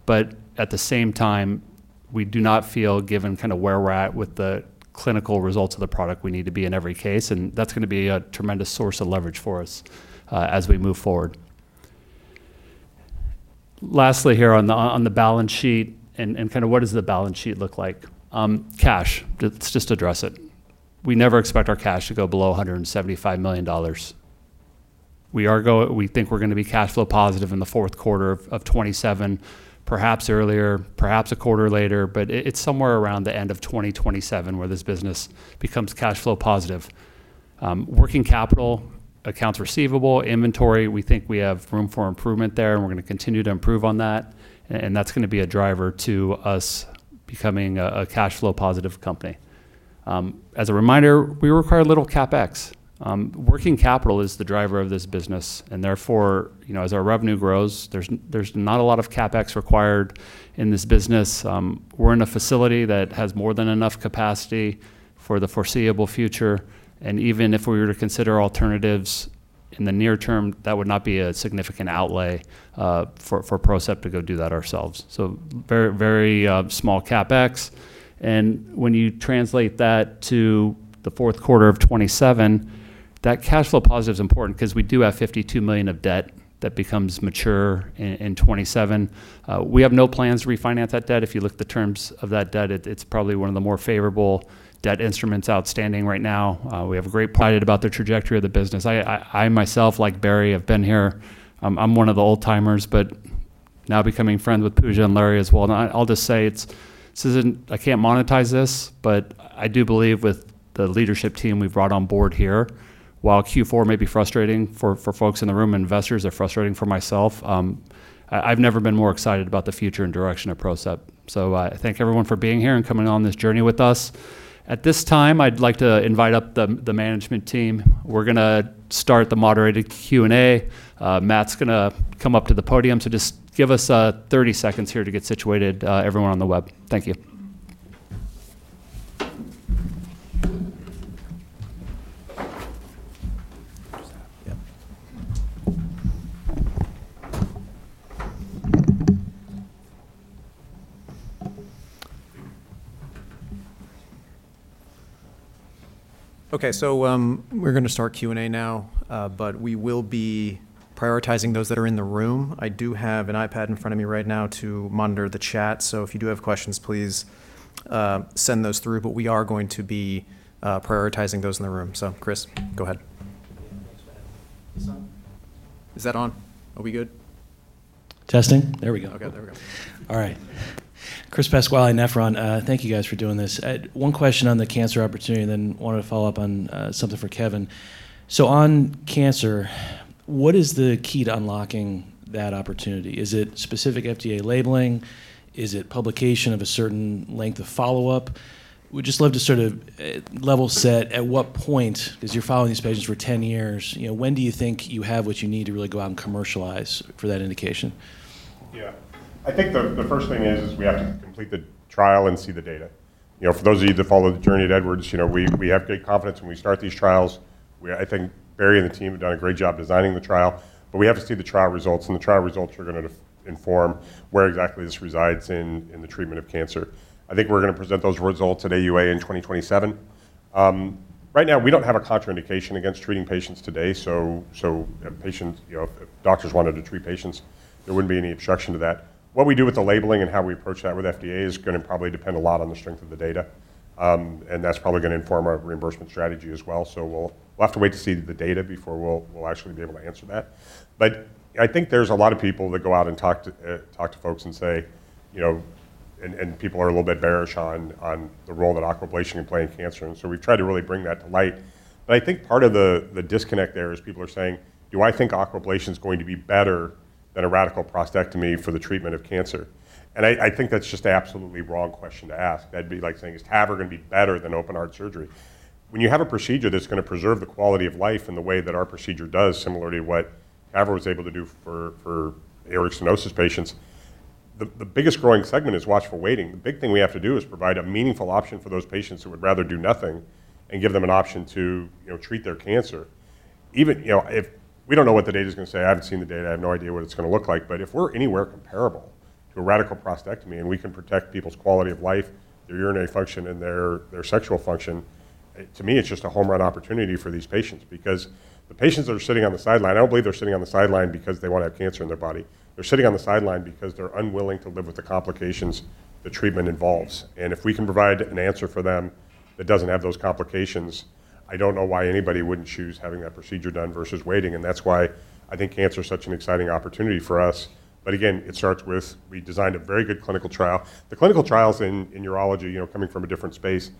At the same time, we do not feel, given kind of where we're at with the clinical results of the product, we need to be in every case, and that's going to be a tremendous source of leverage for us as we move forward. Lastly, here on the balance sheet, and kind of what does the balance sheet look like? Cash, let's just address it. We never expect our cash to go below $175 million. We think we're going to be cash flow positive in the fourth quarter of 2027, perhaps earlier, perhaps a quarter later, it's somewhere around the end of 2027 where this business becomes cash flow positive. Working capital, accounts receivable, inventory, we think we have room for improvement there, we're going to continue to improve on that, and that's going to be a driver to us becoming a cash flow positive company. As a reminder, we require little CapEx. Working capital is the driver of this business, therefore, you know, as our revenue grows, there's not a lot of CapEx required in this business. We're in a facility that has more than enough capacity for the foreseeable future, even if we were to consider alternatives in the near term, that would not be a significant outlay for PROCEPT to go do that ourselves. Very, very small CapEx. When you translate that to the fourth quarter of 2027, that cash flow positive is important because we do have $52 million of debt that becomes mature in 2027. We have no plans to refinance that debt. If you look at the terms of that debt, it's probably one of the more favorable debt instruments outstanding right now. We have great pride about the trajectory of the business. I myself, like Barry, have been here. I'm one of the old-timers.... now becoming friends with Pooja and Larry as well. I'll just say it's, this isn't, I can't monetize this, but I do believe with the leadership team we've brought on board here, while Q4 may be frustrating for folks in the room, investors, they're frustrating for myself, I've never been more excited about the future and direction of PROCEPT. I thank everyone for being here and coming on this journey with us. At this time, I'd like to invite up the management team. We're going to start the moderated Q&A. Matt's going to come up to the podium, so just give us 30 seconds here to get situated, everyone on the web. Thank you. Yeah. Okay. We're going to start Q&A now, but we will be prioritizing those that are in the room. I do have an iPad in front of me right now to monitor the chat. If you do have questions, please send those through. We are going to be prioritizing those in the room. Chris, go ahead. Thanks, Matt. This on? Is that on? Are we good? Testing. There we go. Okay, there we go. All right. Chris Pasquale, Nephron. Thank you guys for doing this. One question on the cancer opportunity, then wanted to follow up on something for Kevin. On cancer, what is the key to unlocking that opportunity? Is it specific FDA labeling? Is it publication of a certain length of follow-up? Would just love to sort of level set at what point, as you're following these patients for 10 years, you know, when do you think you have what you need to really go out and commercialize for that indication? Yeah. I think the first thing is we have to complete the trial and see the data. You know, for those of you that follow the journey at Edwards, you know, we have great confidence when we start these trials. I think Barry and the team have done a great job designing the trial, but we have to see the trial results, and the trial results are going to inform where exactly this resides in the treatment of cancer. I think we're going to present those results at AUA in 2027. Right now, we don't have a contraindication against treating patients today, so a patient, you know, if doctors wanted to treat patients, there wouldn't be any obstruction to that. What we do with the labeling and how we approach that with FDA is going to probably depend a lot on the strength of the data. That's probably going to inform our reimbursement strategy as well. We'll have to wait to see the data before we'll actually be able to answer that. I think there's a lot of people that go out and talk to talk to folks and say, you know, and people are a little bit bearish on the role that Aquablation can play in cancer, and so we've tried to really bring that to light. I think part of the disconnect there is people are saying, do I think Aquablation is going to be better than a radical prostatectomy for the treatment of cancer? I think that's just an absolutely wrong question to ask. That'd be like saying, is TAVR going to be better than open heart surgery? When you have a procedure that's going to preserve the quality of life in the way that our procedure does, similarly to what TAVR was able to do for aortic stenosis patients, the biggest growing segment is watchful waiting. The big thing we have to do is provide a meaningful option for those patients who would rather do nothing and give them an option to, you know, treat their cancer. Even, you know, if we don't know what the data is going to say, I haven't seen the data, I have no idea what it's going to look like. If we're anywhere comparable to a radical prostatectomy, and we can protect people's quality of life, their urinary function, and their sexual function, to me, it's just a home run opportunity for these patients. The patients that are sitting on the sideline, I don't believe they're sitting on the sideline because they want to have cancer in their body. They're sitting on the sideline because they're unwilling to live with the complications the treatment involves. If we can provide an answer for them that doesn't have those complications, I don't know why anybody wouldn't choose having that procedure done versus waiting, and that's why I think cancer is such an exciting opportunity for us. Again, it starts with, we designed a very good clinical trial. The clinical trials in urology, you know, coming from a different space,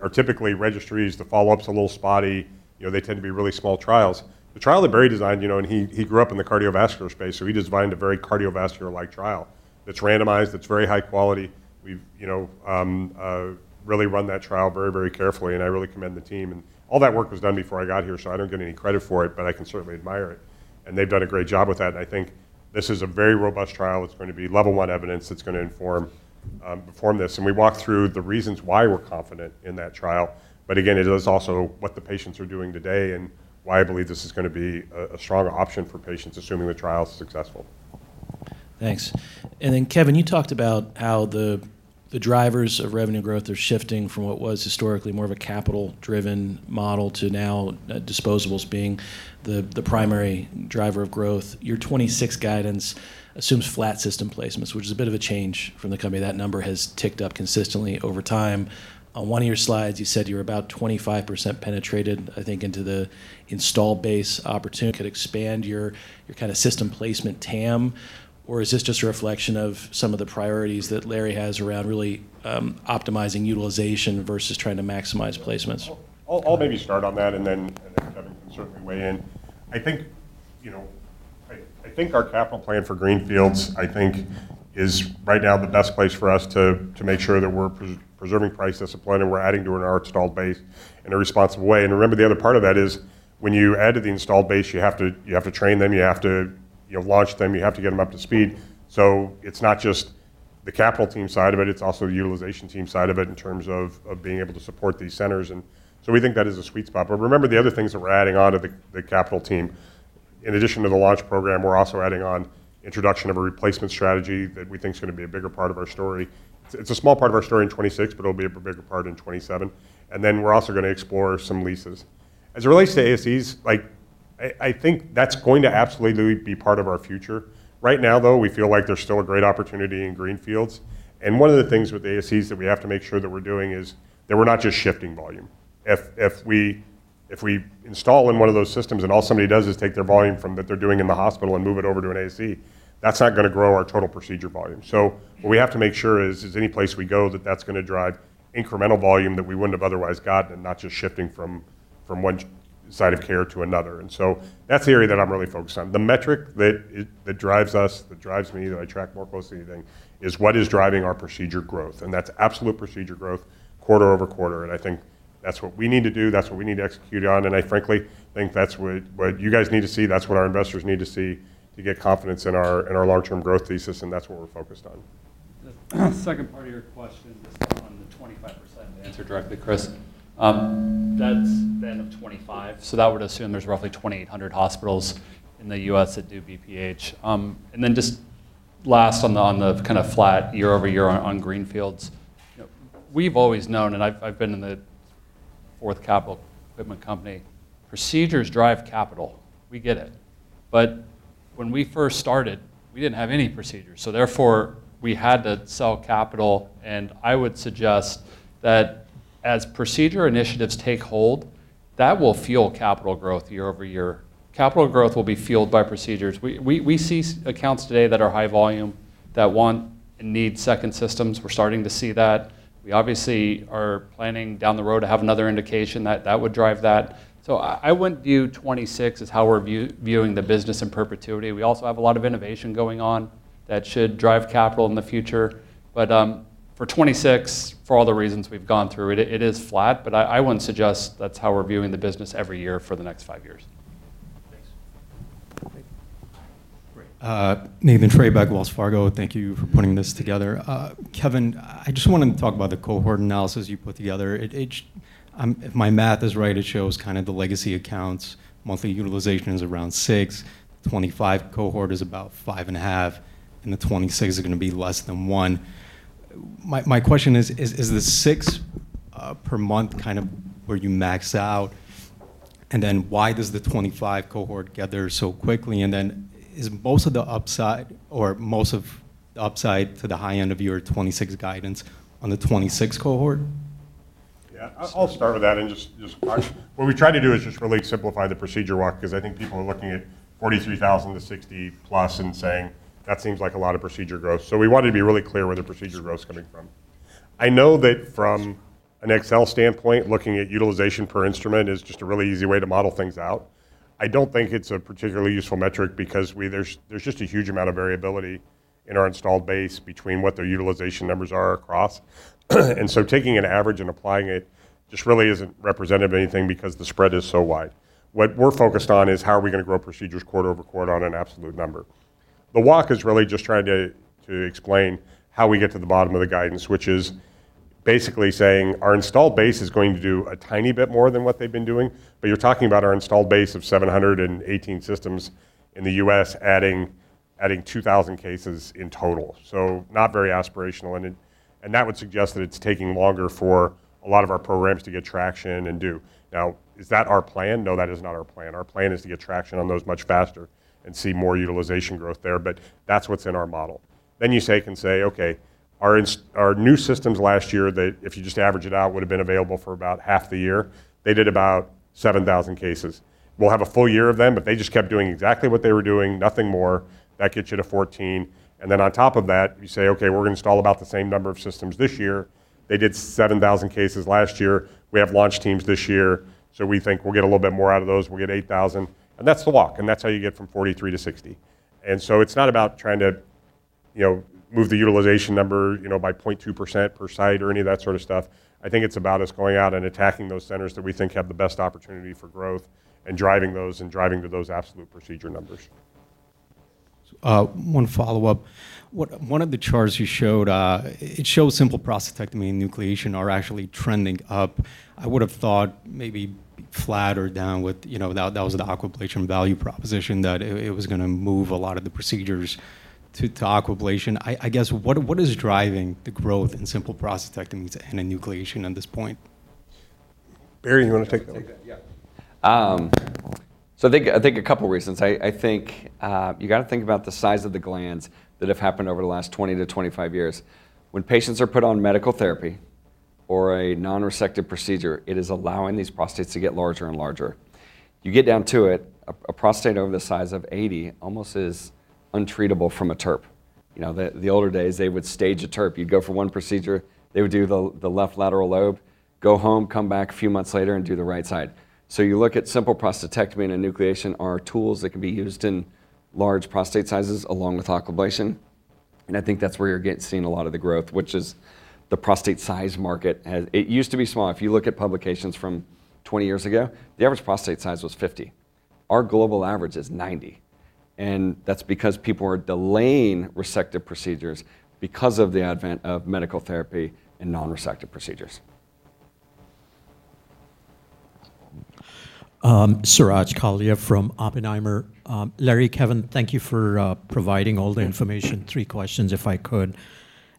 are typically registries. The follow-up's a little spotty, you know, they tend to be really small trials. The trial that Barry designed, you know, and he grew up in the cardiovascular space, so he designed a very cardiovascular-like trial that's randomized, that's very high quality. We've, you know, really run that trial very, very carefully, and I really commend the team. All that work was done before I got here, so I don't get any credit for it, but I can certainly admire it, and they've done a great job with that. I think this is a very robust trial. It's going to be level one evidence that's going to inform this. We walked through the reasons why we're confident in that trial. Again, it is also what the patients are doing today and why I believe this is going to be a strong option for patients, assuming the trial is successful. Thanks. Kevin, you talked about how the drivers of revenue growth are shifting from what was historically more of a capital-driven model to now, disposables being the primary driver of growth. Your 2026 guidance assumes flat system placements, which is a bit of a change from the company. That number has ticked up consistently over time. On one of your slides, you said you were about 25% penetrated, I think, into the install base opportunity, could expand your kind of system placement TAM, or is this just a reflection of some of the priorities that Larry has around really optimizing utilization versus trying to maximize placements? I'll maybe start on that, and then Kevin can certainly weigh in. I think, you know, I think our capital plan for greenfields, I think, is right now the best place for us to make sure that we're preserving price discipline, and we're adding to our installed base in a responsible way. Remember, the other part of that is, when you add to the installed base, you have to train them, you have to, you know, launch them, you have to get them up to speed. It's not just the capital team side of it's also the utilization team side of it in terms of being able to support these centers. We think that is a sweet spot. Remember, the other things that we're adding on to the capital team. In addition to the launch program, we're also adding on introduction of a replacement strategy that we think is going to be a bigger part of our story. It's a small part of our story in 2026, but it'll be a bigger part in 2027. We're also going to explore some leases. As it relates to ASCs, like, I think that's going to absolutely be part of our future. Right now, though, we feel like there's still a great opportunity in greenfields. One of the things with ASCs that we have to make sure that we're doing is that we're not just shifting volume. If we install in one of those systems, and all somebody does is take their volume from, that they're doing in the hospital and move it over to an ASC, that's not gonna grow our total procedure volume. What we have to make sure is any place we go, that's gonna drive incremental volume that we wouldn't have otherwise gotten, and not just shifting from one side of care to another. That's the area that I'm really focused on. The metric that drives us, that drives me, that I track more closely than, is what is driving our procedure growth? That's absolute procedure growth quarter-over-quarter, and I think that's what we need to do, that's what we need to execute on, and I frankly think that's what you guys need to see. That's what our investors need to see to get confidence in our long-term growth thesis, and that's what we're focused on. The second part of your question is on the 25%. To answer directly, Chris, that's then of 25, so that would assume there's roughly 2,800 hospitals in the U.S. that do BPH. Just last, on the kind of flat year-over-year on greenfields. You know, we've always known, and I've been in the fourth capital equipment company, procedures drive capital. We get it. When we first started, we didn't have any procedures, so therefore, we had to sell capital, and I would suggest that as procedure initiatives take hold, that will fuel capital growth year-over-year. Capital growth will be fueled by procedures. We see accounts today that are high volume, that want and need second systems. We're starting to see that. We obviously are planning down the road to have another indication that would drive that. I wouldn't view 2026 as how we're viewing the business in perpetuity. We also have a lot of innovation going on that should drive capital in the future, but for 2026, for all the reasons we've gone through, it is flat. I wouldn't suggest that's how we're viewing the business every year for the next five years. Thanks. Great. Nathan Treybeck, Wells Fargo. Thank you for putting this together. Kevin, I just wanted to talk about the cohort analysis you put together. If my math is right, it shows kind of the legacy accounts. Monthly utilization is around six, 2025 cohort is about 5.5, and the 2026 are gonna be less than one. My question is the six per month kind of where you max out? Why does the 2025 cohort get there so quickly? Is most of the upside or most of the upside to the high end of your 2026 guidance on the 2026 cohort? I'll start with that and just. What we tried to do is just really simplify the procedure walk, because I think people are looking at 43,000 to 60+ and saying, "That seems like a lot of procedure growth." We wanted to be really clear where the procedure growth is coming from. I know that from an Excel standpoint, looking at utilization per instrument is just a really easy way to model things out. I don't think it's a particularly useful metric because there's just a huge amount of variability in our installed base between what their utilization numbers are across. Taking an average and applying it just really isn't representative of anything because the spread is so wide. What we're focused on is how are we gonna grow procedures quarter-over-quarter on an absolute number? The walk is really just trying to explain how we get to the bottom of the guidance, which is basically saying: Our installed base is going to do a tiny bit more than what they've been doing. You're talking about our installed base of 718 systems in the U.S., adding 2,000 cases in total. Not very aspirational. That would suggest that it's taking longer for a lot of our programs to get traction and do. Is that our plan? That is not our plan. Our plan is to get traction on those much faster and see more utilization growth there, but that's what's in our model. You can say: Okay, our new systems last year, they, if you just average it out, would've been available for about half the year. They did about 7,000 cases. We'll have a full year of them, but they just kept doing exactly what they were doing, nothing more. That gets you to 14. On top of that, you say, "Okay, we're gonna install about the same number of systems this year." They did 7,000 cases last year. We have launch teams this year, so we think we'll get a little bit more out of those. We'll get 8,000, and that's the walk, and that's how you get from 43 to 60. It's not about trying to, you know, move the utilization number, you know, by 0.2% per site or any of that sort of stuff. I think it's about us going out and attacking those centers that we think have the best opportunity for growth, and driving those, and driving to those absolute procedure numbers. One follow-up. One of the charts you showed, it shows simple prostatectomy and enucleation are actually trending up. I would've thought maybe flat or down with. You know, that was the Aquablation value proposition, that it was gonna move a lot of the procedures to Aquablation. I guess, what is driving the growth in simple prostatectomies and enucleation at this point? Barry, you want to take that? I'll take that, yeah. I think a couple reasons. I think you gotta think about the size of the glands that have happened over the last 20 to 25 years. When patients are put on medical therapy or a non-resective procedure, it is allowing these prostates to get larger and larger. You get down to it, a prostate over the size of 80 almost is untreatable from a TURP. You know, the older days, they would stage a TURP. You'd go for one procedure, they would do the left lateral lobe, go home, come back a few months later, and do the right side. You look at simple prostatectomy and enucleation are tools that can be used in large prostate sizes, along with Aquablation, and I think that's where you're seeing a lot of the growth, which is the prostate size market. It used to be small. If you look at publications from 20 years ago, the average prostate size was 50. Our global average is 90, and that's because people are delaying resective procedures because of the advent of medical therapy and non-resective procedures. Suraj Kalia from Oppenheimer. Larry, Kevin, thank you for providing all the information. Three questions, if I could.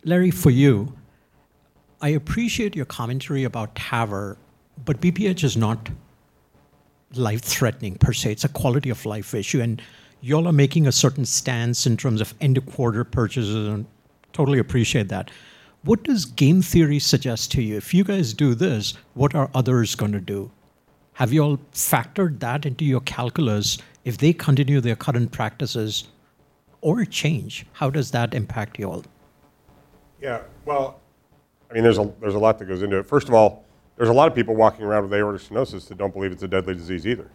Larry, for you, I appreciate your commentary about TAVR, but BPH is not life-threatening per se. It's a quality-of-life issue, and y'all are making a certain stance in terms of end-of-quarter purchases. Totally appreciate that. What does game theory suggest to you? If you guys do this, what are others gonna do? Have you all factored that into your calculus? If they continue their current practices or change, how does that impact you all? Well, I mean, there's a lot that goes into it. First of all, there's a lot of people walking around with aortic stenosis that don't believe it's a deadly disease either.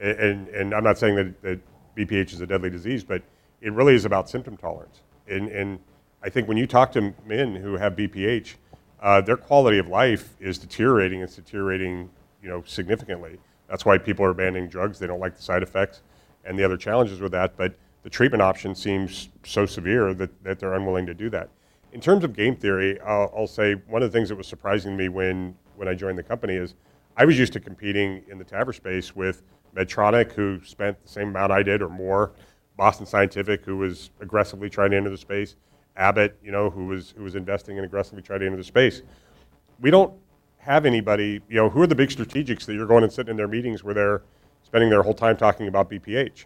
And I'm not saying that BPH is a deadly disease, but it really is about symptom tolerance. I think when you talk to men who have BPH, their quality of life is deteriorating, you know, significantly. That's why people are abandoning drugs. They don't like the side effects and the other challenges with that, but the treatment option seems so severe that they're unwilling to do that. In terms of game theory, I'll say one of the things that was surprising me when I joined the company is I was used to competing in the TAVR space with Medtronic, who spent the same amount I did or more, Boston Scientific, who was aggressively trying to enter the space, Abbott, you know, who was investing and aggressively trying to enter the space. We don't have anybody. You know, who are the big strategics that you're going and sitting in their meetings where they're spending their whole time talking about BPH?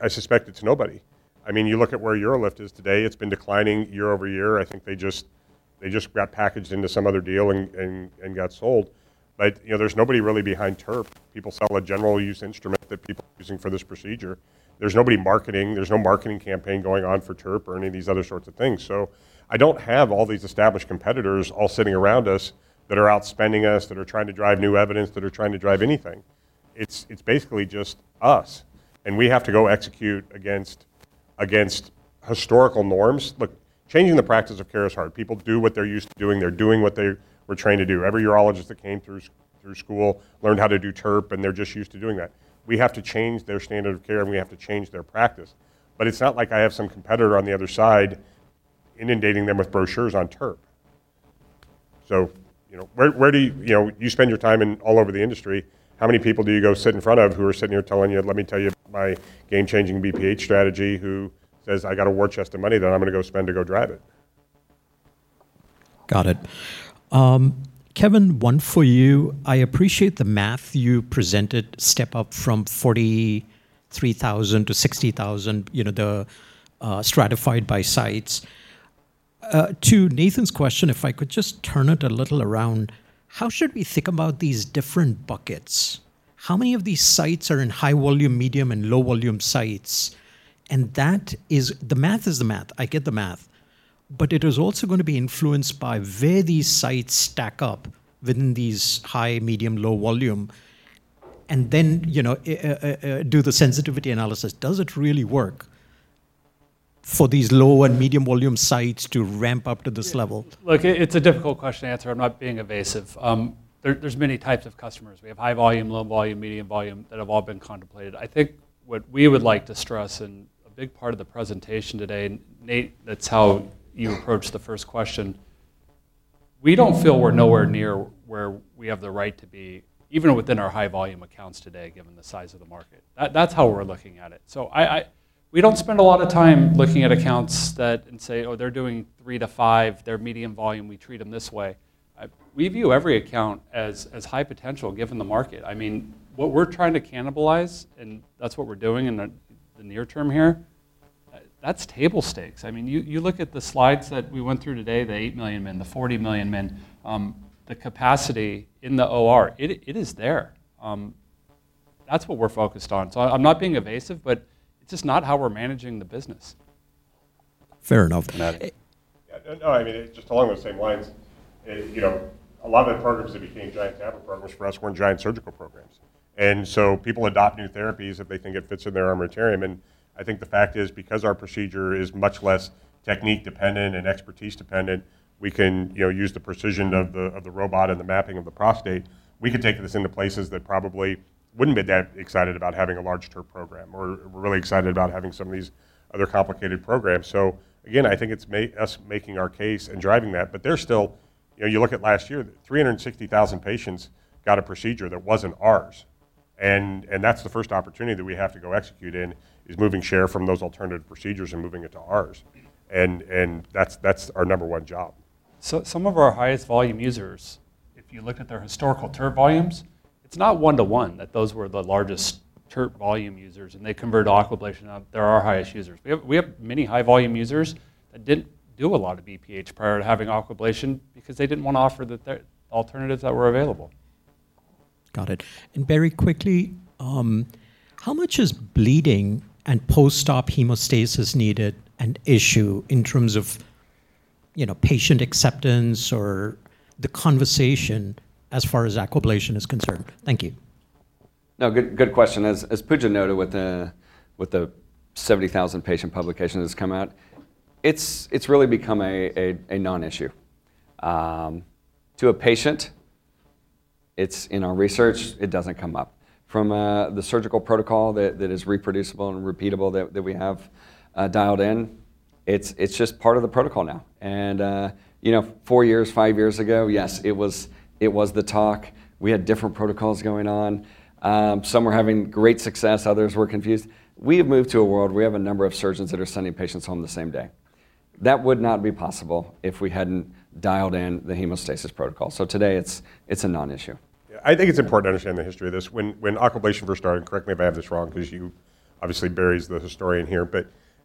I suspect it's nobody. I mean, you look at where UroLift is today, it's been declining year-over-year. I think they just got packaged into some other deal and got sold. You know, there's nobody really behind TURP. People sell a general use instrument that people are using for this procedure. There's nobody marketing, there's no marketing campaign going on for TURP or any of these other sorts of things. I don't have all these established competitors all sitting around us that are outspending us, that are trying to drive new evidence, that are trying to drive anything. It's basically just us, and we have to go execute against historical norms. Look, changing the practice of care is hard. People do what they're used to doing. They're doing what they were trained to do. Every urologist that came through school learned how to do TURP, and they're just used to doing that. We have to change their standard of care, we have to change their practice, it's not like I have some competitor on the other side inundating them with brochures on TURP. You know, you spend your time in all over the industry, how many people do you go sit in front of who are sitting here telling you, "Let me tell you my game-changing BPH strategy," who says, "I got a war chest of money that I'm gonna go spend to go drive it? Got it. Kevin, one for you. I appreciate the math you presented, step up from 43,000 to 60,000, you know, stratified by sites. To Nathan's question, if I could just turn it a little around, how should we think about these different buckets? How many of these sites are in high-volume, medium, and low-volume sites? The math is the math. I get the math, but it is also going to be influenced by where these sites stack up within these high, medium, low volume, and then, you know, do the sensitivity analysis. Does it really work for these low and medium-volume sites to ramp up to this level? Look, it's a difficult question to answer. I'm not being evasive. There's many types of customers. We have high volume, low volume, medium volume, that have all been contemplated. I think what we would like to stress, and a big part of the presentation today, and Nate, that's how you approached the first question, we don't feel we're nowhere near where we have the right to be, even within our high-volume accounts today, given the size of the market. That's how we're looking at it. We don't spend a lot of time looking at accounts that and say, "Oh, they're doing three-five. They're medium volume. We treat them this way." We view every account as high potential, given the market. I mean, what we're trying to cannibalise, and that's what we're doing in the near term here, that's table stakes. I mean, you look at the slides that we went through today, the 80 million men, the 40 million men, the capacity in the OR, it is there. That's what we're focused on. I'm not being evasive, but it's just not how we're managing the business. Fair enough. Got it. Yeah. No, I mean, it's just along those same lines. You know, a lot of the programs that became giant TAVR programs for us weren't giant surgical programs. People adopt new therapies if they think it fits in their armamentarium, and I think the fact is, because our procedure is much less technique-dependent and expertise-dependent, we can, you know, use the precision of the, of the robot and the mapping of the prostate. We can take this into places that probably wouldn't be that excited about having a large TURP program, or were really excited about having some of these other complicated programs. Again, I think it's us making our case and driving that, but there's still... You know, you look at last year, 360,000 patients got a procedure that wasn't ours, and that's the first opportunity that we have to go execute in, is moving share from those alternative procedures and moving it to ours. That's our number one job. Some of our highest volume users, if you look at their historical TURP volumes, it's not one to one, that those were the largest TURP volume users, and they convert Aquablation up. They're our highest users. We have many high-volume users that didn't do a lot of BPH prior to having Aquablation because they didn't want to offer the alternatives that were available. Got it. Very quickly, how much is bleeding and post-op hemostasis needed an issue in terms of, you know, patient acceptance or the conversation as far as Aquablation is concerned? Thank you. No, good question. As Pooja noted with the 70,000-patient publication that's come out, it's really become a non-issue to a patient. It's in our research, it doesn't come up. From the surgical protocol that is reproducible and repeatable that we have dialed in, it's just part of the protocol now. You know, four years, five years ago, yes, it was, it was the talk. We had different protocols going on. Some were having great success, others were confused. We have moved to a world where we have a number of surgeons that are sending patients home the same day. That would not be possible if we hadn't dialed in the hemostasis protocol. Today, it's a non-issue. Yeah, I think it's important to understand the history of this. When Aquablation first started, and correct me if I have this wrong, because obviously, Barry's the historian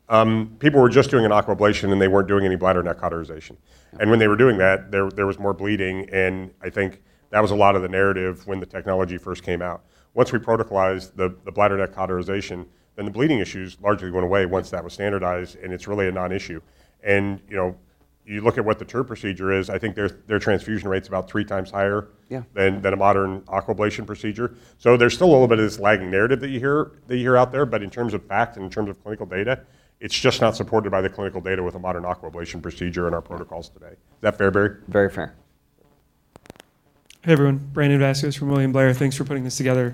here. People were just doing an Aquablation, and they weren't doing any bladder neck cauterization. When they were doing that, there was more bleeding, and I think that was a lot of the narrative when the technology first came out. Once we protocolized the bladder neck cauterization, then the bleeding issues largely went away once that was standardized, and it's really a non-issue. You know, you look at what the TURP procedure is, I think their transfusion rate's about 3x higher. Yeah - than a modern Aquablation procedure. There's still a little bit of this lagging narrative that you hear out there, in terms of fact and in terms of clinical data, it's just not supported by the clinical data with a modern Aquablation procedure and our protocols today. Is that fair, Barry? Very fair. Hey, everyone. Brandon Vazquez from William Blair. Thanks for putting this together.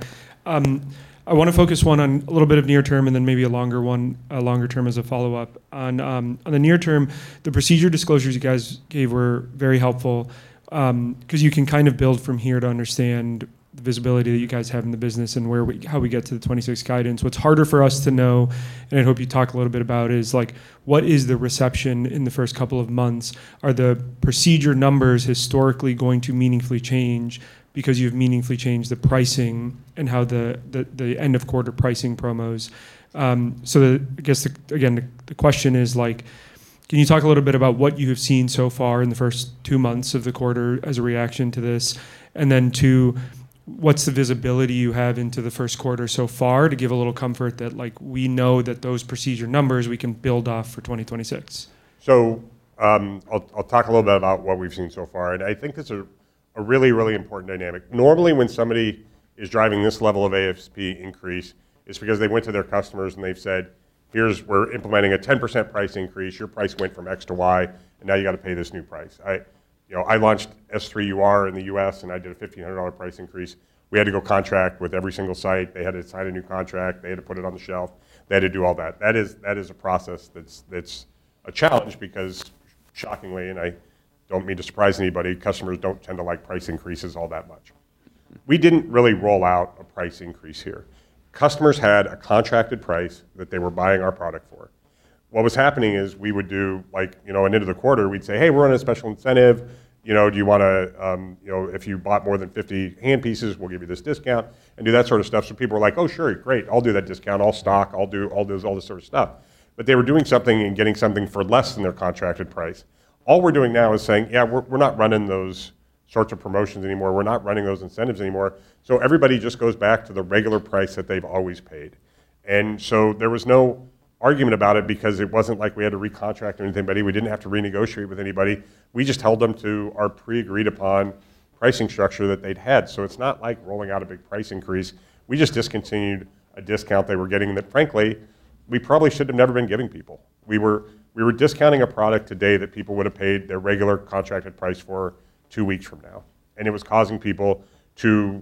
I wanna focus one on a little bit of near term and then maybe a longer one, a longer term as a follow-up. On the near term, the procedure disclosures you guys gave were very helpful 'cause you can kind of build from here to understand the visibility that you guys have in the business and how we get to the 2026 guidance. What's harder for us to know, and I hope you talk a little bit about, is, like, what is the reception in the first couple of months? Are the procedure numbers historically going to meaningfully change because you've meaningfully changed the pricing and how the end-of-quarter pricing promos? I guess, the, again, the question is, like, can you talk a little bit about what you have seen so far in the first two months of the quarter as a reaction to this? Two, what's the visibility you have into the first quarter so far to give a little comfort that, like, we know that those procedure numbers we can build off for 2026? I'll talk a little bit about what we've seen so far, and I think it's a really, really important dynamic. Normally, when somebody is driving this level of ASP increase, it's because they went to their customers, and they've said, "We're implementing a 10% price increase. Your price went from X to Y, and now you gotta pay this new price." You know, I launched S3 in the U.S., and I did a $1,500 price increase. We had to go contract with every single site. They had to sign a new contract. They had to put it on the shelf. They had to do all that. That is a process that's a challenge because shockingly, and I don't mean to surprise anybody, customers don't tend to like price increases all that much. We didn't really roll out a price increase here. Customers had a contracted price that they were buying our product for. What was happening is we would do, like, you know, at the end of the quarter, we'd say, "Hey, we're running a special incentive. You know, do you wanna, you know, if you bought more than 50 handpieces, we'll give you this discount," and do that sort of stuff. People were like, "Oh, sure, great. I'll do that discount. I'll stock. I'll do all this sort of stuff." They were doing something and getting something for less than their contracted price. All we're doing now is saying, "Yeah, we're not running those sorts of promotions anymore. We're not running those incentives anymore." Everybody just goes back to the regular price that they've always paid. There was no argument about it because it wasn't like we had to recontract or anything, but we didn't have to renegotiate with anybody. We just held them to our pre-agreed-upon pricing structure that they'd had. It's not like rolling out a big price increase. We just discontinued a discount they were getting that, frankly, we probably should have never been giving people. We were discounting a product today that people would have paid their regular contracted price for two weeks from now, and it was causing people to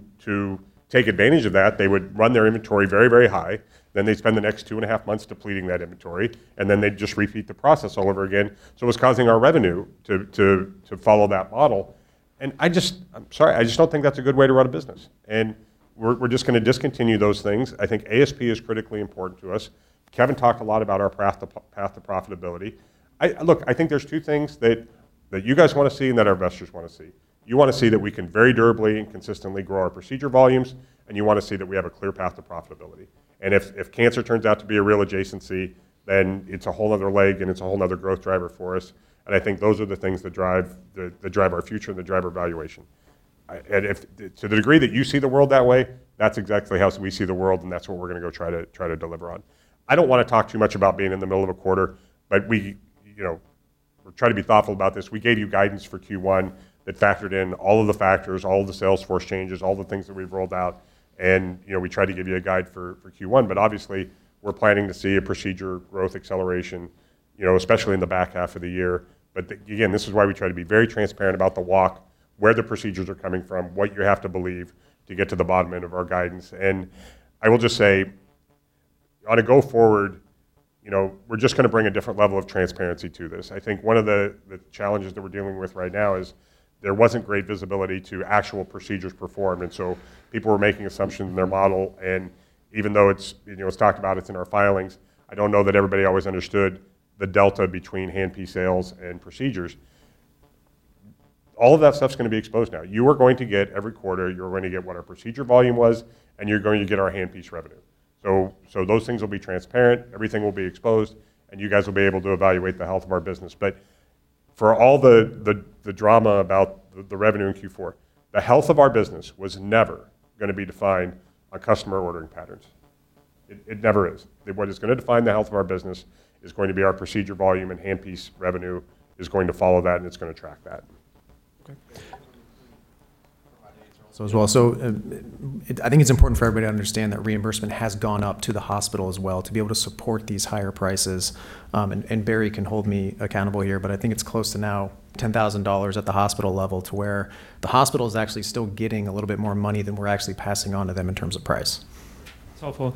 take advantage of that. They would run their inventory very, very high, then they'd spend the next two and a half months depleting that inventory, and then they'd just repeat the process all over again. It was causing our revenue to follow that model. I just... I'm sorry, I just don't think that's a good way to run a business, and we're just gonna discontinue those things. I think ASP is critically important to us. Kevin talked a lot about our path to profitability. Look, I think there's two things that you guys wanna see and that our investors wanna see. You wanna see that we can very durably and consistently grow our procedure volumes, and you wanna see that we have a clear path to profitability. If cancer turns out to be a real adjacency, then it's a whole other leg, and it's a whole other growth driver for us. I think those are the things that drive our future and that drive our valuation. To the degree that you see the world that way, that's exactly how we see the world, and that's what we're gonna go try to deliver on. I don't wanna talk too much about being in the middle of a quarter, we, you know, we're trying to be thoughtful about this. We gave you guidance for Q1 that factored in all of the factors, all of the sales force changes, all the things that we've rolled out, you know, we tried to give you a guide for Q1. Obviously, we're planning to see a procedure growth acceleration, you know, especially in the back half of the year. Again, this is why we try to be very transparent about the walk, where the procedures are coming from, what you have to believe to get to the bottom end of our guidance. I will just say, on a go forward, you know, we're just gonna bring a different level of transparency to this. I think one of the challenges that we're dealing with right now is there wasn't great visibility to actual procedures performed, and so people were making assumptions in their model. Even though it's, you know, it's talked about, it's in our filings, I don't know that everybody always understood the delta between hand piece sales and procedures. All of that stuff's gonna be exposed now. You are going to get every quarter, you're going to get what our procedure volume was, and you're going to get our hand piece revenue. Those things will be transparent, everything will be exposed, and you guys will be able to evaluate the health of our business. For all the drama about the revenue in Q4, the health of our business was never gonna be defined by customer ordering patterns. It never is. What is gonna define the health of our business is going to be our procedure volume, and handpiece revenue is going to follow that, and it's gonna track that. As well, I think it's important for everybody to understand that reimbursement has gone up to the hospital as well, to be able to support these higher prices. And Barry can hold me accountable here, but I think it's close to now $10,000 at the hospital level, to where the hospital is actually still getting a little bit more money than we're actually passing on to them in terms of price. That's helpful.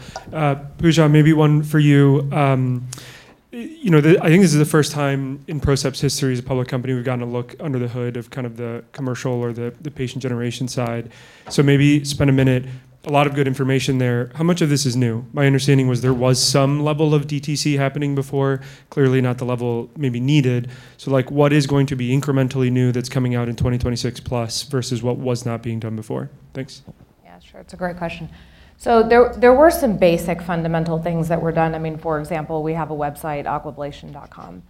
Pooja, maybe one for you. You know, I think this is the first time in PROCEPT's history as a public company, we've gotten a look under the hood of kind of the commercial or the patient generation side. Maybe spend a minute. A lot of good information there. How much of this is new? My understanding was there was some level of DTC happening before, clearly not the level maybe needed. Like, what is going to be incrementally new that's coming out in 2026 plus versus what was not being done before? Thanks.... Yeah, sure. It's a great question. There were some basic fundamental things that were done. I mean, for example, we have a website, aquablation.com.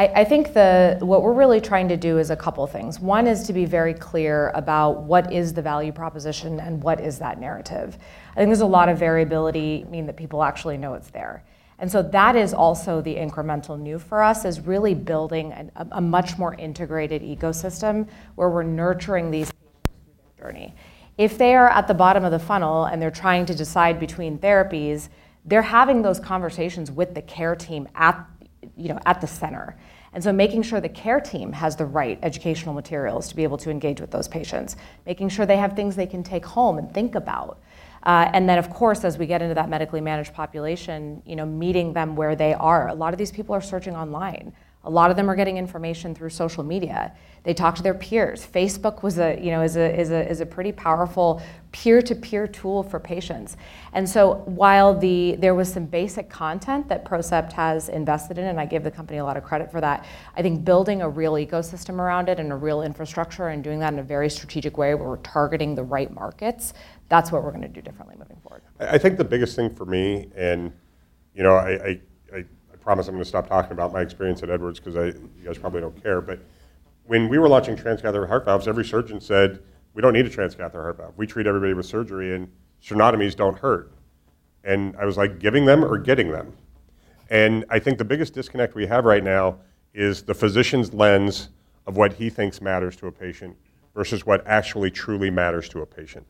I think what we're really trying to do is a couple things. One is to be very clear about what is the value proposition and what is that narrative. I think there's a lot of variability, I mean, that people actually know it's there. That is also the incremental new for us, is really building a much more integrated ecosystem where we're nurturing these patients through their journey. If they are at the bottom of the funnel and they're trying to decide between therapies, they're having those conversations with the care team at, you know, at the center. Making sure the care team has the right educational materials to be able to engage with those patients. Making sure they have things they can take home and think about. Then, of course, as we get into that medically managed population, you know, meeting them where they are. A lot of these people are searching online. A lot of them are getting information through social media. They talk to their peers. Facebook was a, you know, is a pretty powerful peer-to-peer tool for patients. While there was some basic content that PROCEPT has invested in, and I give the company a lot of credit for that, I think building a real ecosystem around it and a real infrastructure, and doing that in a very strategic way where we're targeting the right markets, that's what we're gonna do differently moving forward. I think the biggest thing for me, and, you know, I promise I'm gonna stop talking about my experience at Edwards 'cause you guys probably don't care. When we were launching transcatheter heart valves, every surgeon said, "We don't need a transcatheter heart valve. We treat everybody with surgery, and sternotomies don't hurt." I was like, "Giving them or getting them?" I think the biggest disconnect we have right now is the physician's lens of what he thinks matters to a patient versus what actually truly matters to a patient.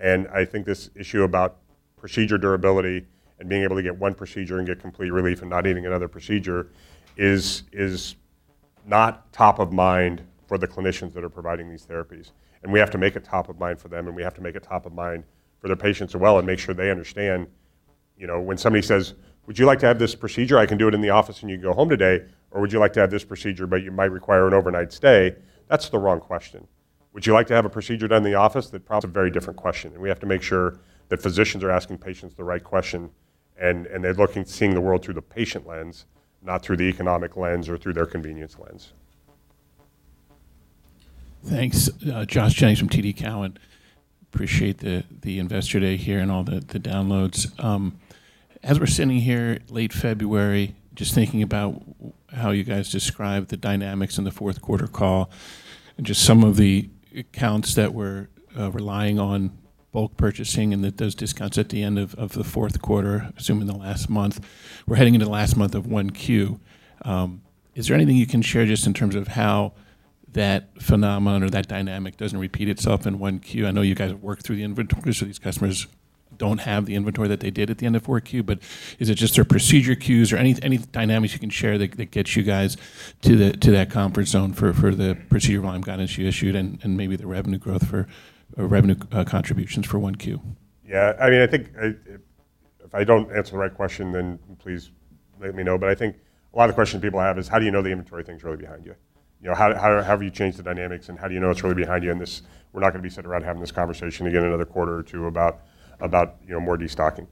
I think this issue about procedure durability and being able to get one procedure and get complete relief and not needing another procedure is not top of mind for the clinicians that are providing these therapies. We have to make it top of mind for them, and we have to make it top of mind for their patients as well and make sure they understand, you know, when somebody says, "Would you like to have this procedure? I can do it in the office, and you can go home today," or, "Would you like to have this procedure, but you might require an overnight stay?" That's the wrong question. "Would you like to have a procedure done in the office?" That's a very different question, and they're seeing the world through the patient lens, not through the economic lens or through their convenience lens. Thanks. Josh Jennings from TD Cowen. Appreciate the investor day here and all the downloads. As we're sitting here, late February, just thinking about how you guys described the dynamics in the fourth quarter call and just some of the accounts that we're relying on bulk purchasing and that those discounts at the end of the fourth quarter, assuming the last month, we're heading into the last month of 1Q. Is there anything you can share just in terms of how that phenomenon or that dynamic doesn't repeat itself in 1Q? I know you guys have worked through the inventories, so these customers don't have the inventory that they did at the end of 4Q. Is it just their procedure queues or any dynamics you can share that gets you guys to that comfort zone for the procedure volume guidance you issued and maybe the revenue contributions for 1Q? Yeah, I mean, I think if I don't answer the right question, then please let me know. I think a lot of the questions people have is: How do you know the inventory thing's really behind you? You know, how have you changed the dynamics, and how do you know it's really behind you? We're not gonna be sitting around having this conversation again another quarter or two about, you know, more destocking.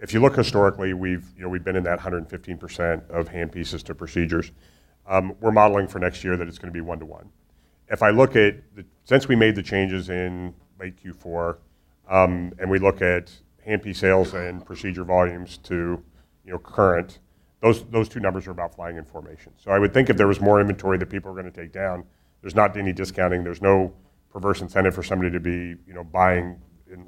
If you look historically, we've, you know, we've been in that 115% of handpieces to procedures. We're modeling for next year that it's gonna be one to one. If I look at since we made the changes in late Q4, and we look at handpiece sales and procedure volumes to, you know, current, those two numbers are about flying in formation. I would think if there was more inventory that people were gonna take down, there's not been any discounting, there's no perverse incentive for somebody to be, you know, buying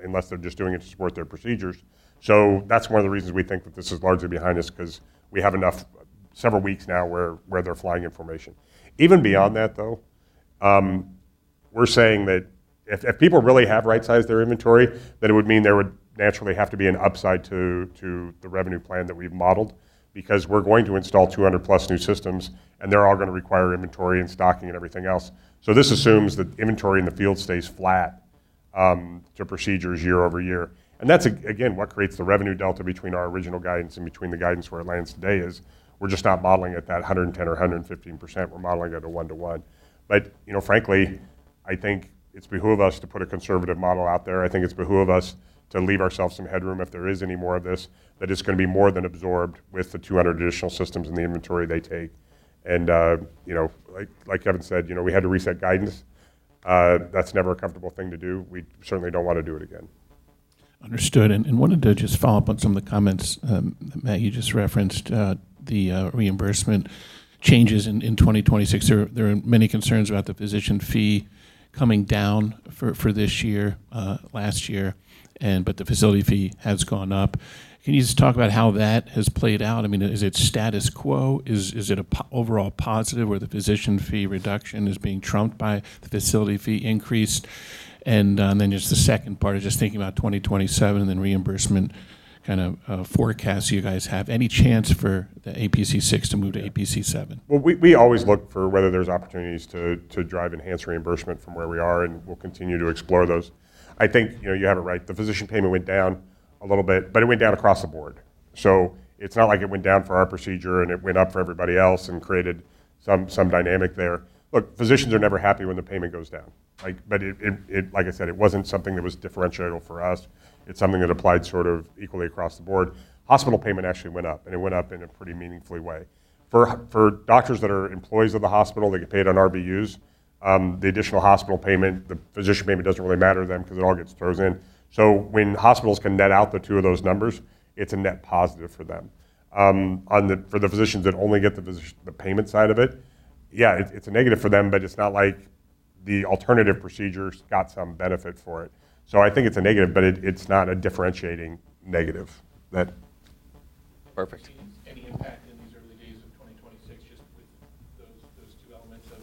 unless they're just doing it to support their procedures. That's one of the reasons we think that this is largely behind us, 'cause we have enough, several weeks now where they're flying in formation. Even beyond that, though, we're saying that if people really have right-sized their inventory, then it would mean there would naturally have to be an upside to the revenue plan that we've modelled. We're going to install 200+ new systems, and they're all gonna require inventory and stocking and everything else. This assumes that inventory in the field stays flat to procedures year-over-year. That's again what creates the revenue delta between our original guidance and between the guidance where it lands today is, we're just not modeling at that 110% or 115%. We're modeling at a one to one. You know, frankly, I think it's behoove us to put a conservative model out there. I think it's behoove us to leave ourselves some headroom if there is any more of this, that it's gonna be more than absorbed with the 200 additional systems and the inventory they take. You know, like Kevin said, you know, we had to reset guidance. That's never a comfortable thing to do. We certainly don't want to do it again. Understood. Wanted to just follow up on some of the comments, you just referenced the reimbursement changes in 2026. There are many concerns about the physician fee coming down for this year, last year, but the facility fee has gone up. Can you just talk about how that has played out? I mean, is it status quo? Is it overall positive, where the physician fee reduction is being trumped by the facility fee increase? Just the second part is just thinking about 2027 and reimbursement kind of forecast you guys have. Any chance for the APC6 to move to APC7? We always look for whether there's opportunities to drive enhanced reimbursement from where we are, and we'll continue to explore those. I think, you know, you have it right. The physician payment went down a little bit, but it went down across the board. It's not like it went down for our procedure, and it went up for everybody else and created some dynamic there. Physicians are never happy when the payment goes down. It, like I said, it wasn't something that was differentiable for us. It's something that applied sort of equally across the board. Hospital payment actually went up, and it went up in a pretty meaningful way. For doctors that are employees of the hospital, they get paid on RVUs. The additional hospital payment, the physician payment doesn't really matter to them 'cause it all gets thrown in. When hospitals can net out the two of those numbers, it's a net positive for them. For the physicians that only get the payment side of it, yeah, it's a negative for them, but it's not like the alternative procedures got some benefit for it. I think it's a negative, but it's not a differentiating negative that- Perfect. Any impact in these early days of 2026 just with those two elements of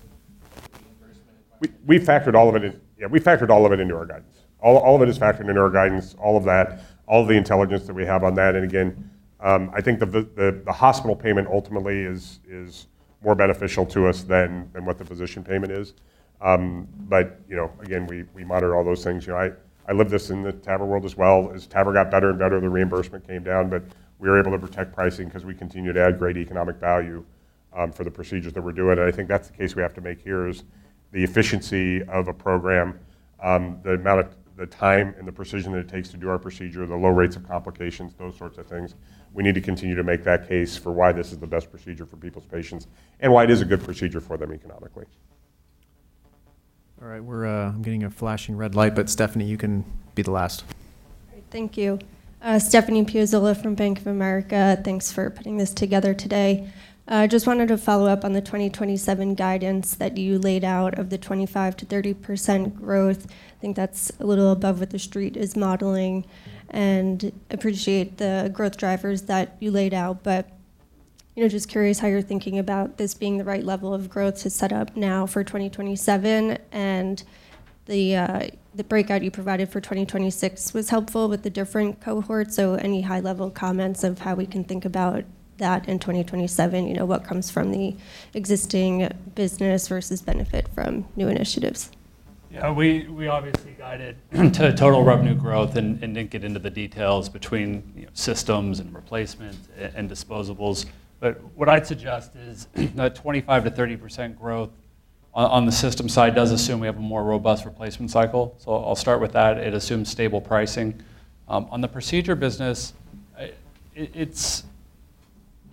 the reimbursement and? We factored all of it in. Yeah, we factored all of it into our guidance. All of it is factored into our guidance, all of that, all the intelligence that we have on that. Again, I think the hospital payment ultimately is more beneficial to us than what the physician payment is. You know, again, we monitor all those things. You know, I lived this in the TAVR world as well. As TAVR got better and better, the reimbursement came down, but we were able to protect pricing 'cause we continued to add great economic value for the procedures that we're doing. I think that's the case we have to make here is the efficiency of a program, the amount of the time and the precision that it takes to do our procedure, the low rates of complications, those sorts of things. We need to continue to make that case for why this is the best procedure for people's patients and why it is a good procedure for them economically. All right, I'm getting a flashing red light, but Stephanie, you can be the last. Great. Thank you. Stephanie Piazzola from Bank of America. Thanks for putting this together today. Just wanted to follow up on the 2027 guidance that you laid out of the 25%-30% growth. I think that's a little above what the street is modeling, and appreciate the growth drivers that you laid out, but, you know, just curious how you're thinking about this being the right level of growth to set up now for 2027. The breakout you provided for 2026 was helpful with the different cohorts, so any high-level comments of how we can think about that in 2027, you know, what comes from the existing business versus benefit from new initiatives? Yeah, we obviously guided to total revenue growth and didn't get into the details between, you know, systems and replacement and disposables. What I'd suggest is that 25%-30% growth on the system side does assume we have a more robust replacement cycle, so I'll start with that. It assumes stable pricing. On the procedure business, it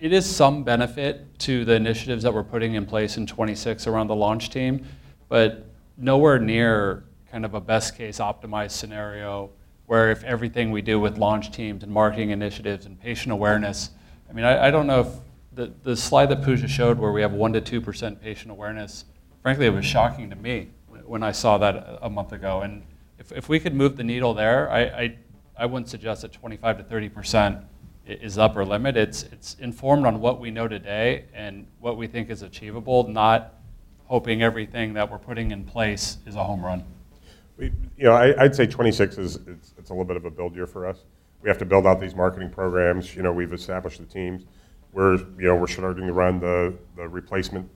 is some benefit to the initiatives that we're putting in place in 2026 around the launch team, but nowhere near kind of a best-case optimized scenario where if everything we do with launch teams and marketing initiatives and patient awareness... I mean, I don't know if the slide that Pooja showed where we have 1%-2% patient awareness, frankly, it was shocking to me when I saw that a month ago. If we could move the needle there, I wouldn't suggest that 25%-30% is upper limit. It's informed on what we know today and what we think is achievable, not hoping everything that we're putting in place is a home run. You know, I'd say 2026 is, it's a little bit of a build year for us. We have to build out these marketing programs. You know, we've established the teams. You know, we're starting to run the replacement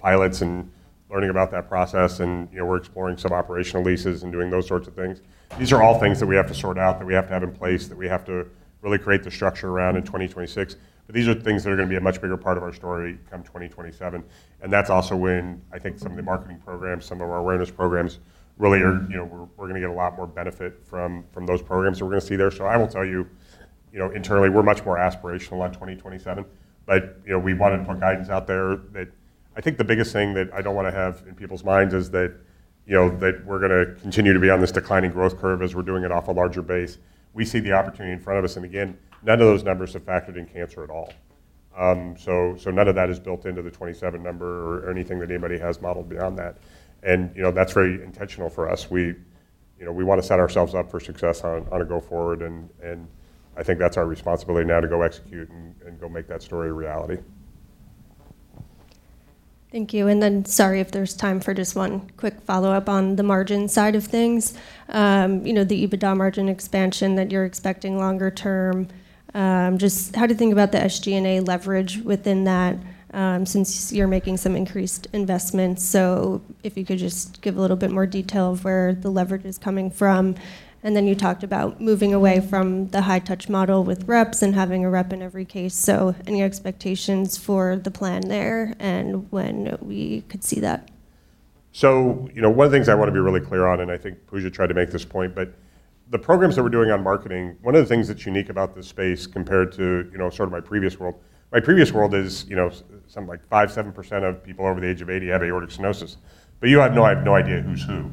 pilots, and learning about that process, and, you know, we're exploring some operational leases and doing those sorts of things. These are all things that we have to sort out, that we have to have in place, that we have to really create the structure around in 2026. These are things that are gonna be a much bigger part of our story come 2027, and that's also when I think some of the marketing programs, some of our awareness programs really you know, we're gonna get a lot more benefit from those programs than we're gonna see there. I will tell you know, internally, we're much more aspirational on 2027, but, you know, we wanted more guidance out there that. I think the biggest thing that I don't wanna have in people's minds is that, you know, that we're gonna continue to be on this declining growth curve as we're doing it off a larger base. We see the opportunity in front of us. Again, none of those numbers have factored in cancer at all. None of that is built into the 2027 number or anything that anybody has modeled beyond that. You know, that's very intentional for us. You know, we wanna set ourselves up for success on a go forward, and I think that's our responsibility now to go execute and go make that story a reality. Thank you, sorry, if there's time for just one quick follow-up on the margin side of things. You know, the EBITDA margin expansion that you're expecting longer term, just how do you think about the SG&A leverage within that, since you're making some increased investments? If you could just give a little bit more detail of where the leverage is coming from. You talked about moving away from the high-touch model with reps and having a rep in every case, so any expectations for the plan there, and when we could see that? You know, one of the things I wanna be really clear on, and I think Pooja tried to make this point, but the programs that we're doing on marketing, one of the things that's unique about this space compared to, you know, sort of my previous world is, you know, something like 5%, 7% of people over the age of 80 have aortic stenosis, but I have no idea who's who.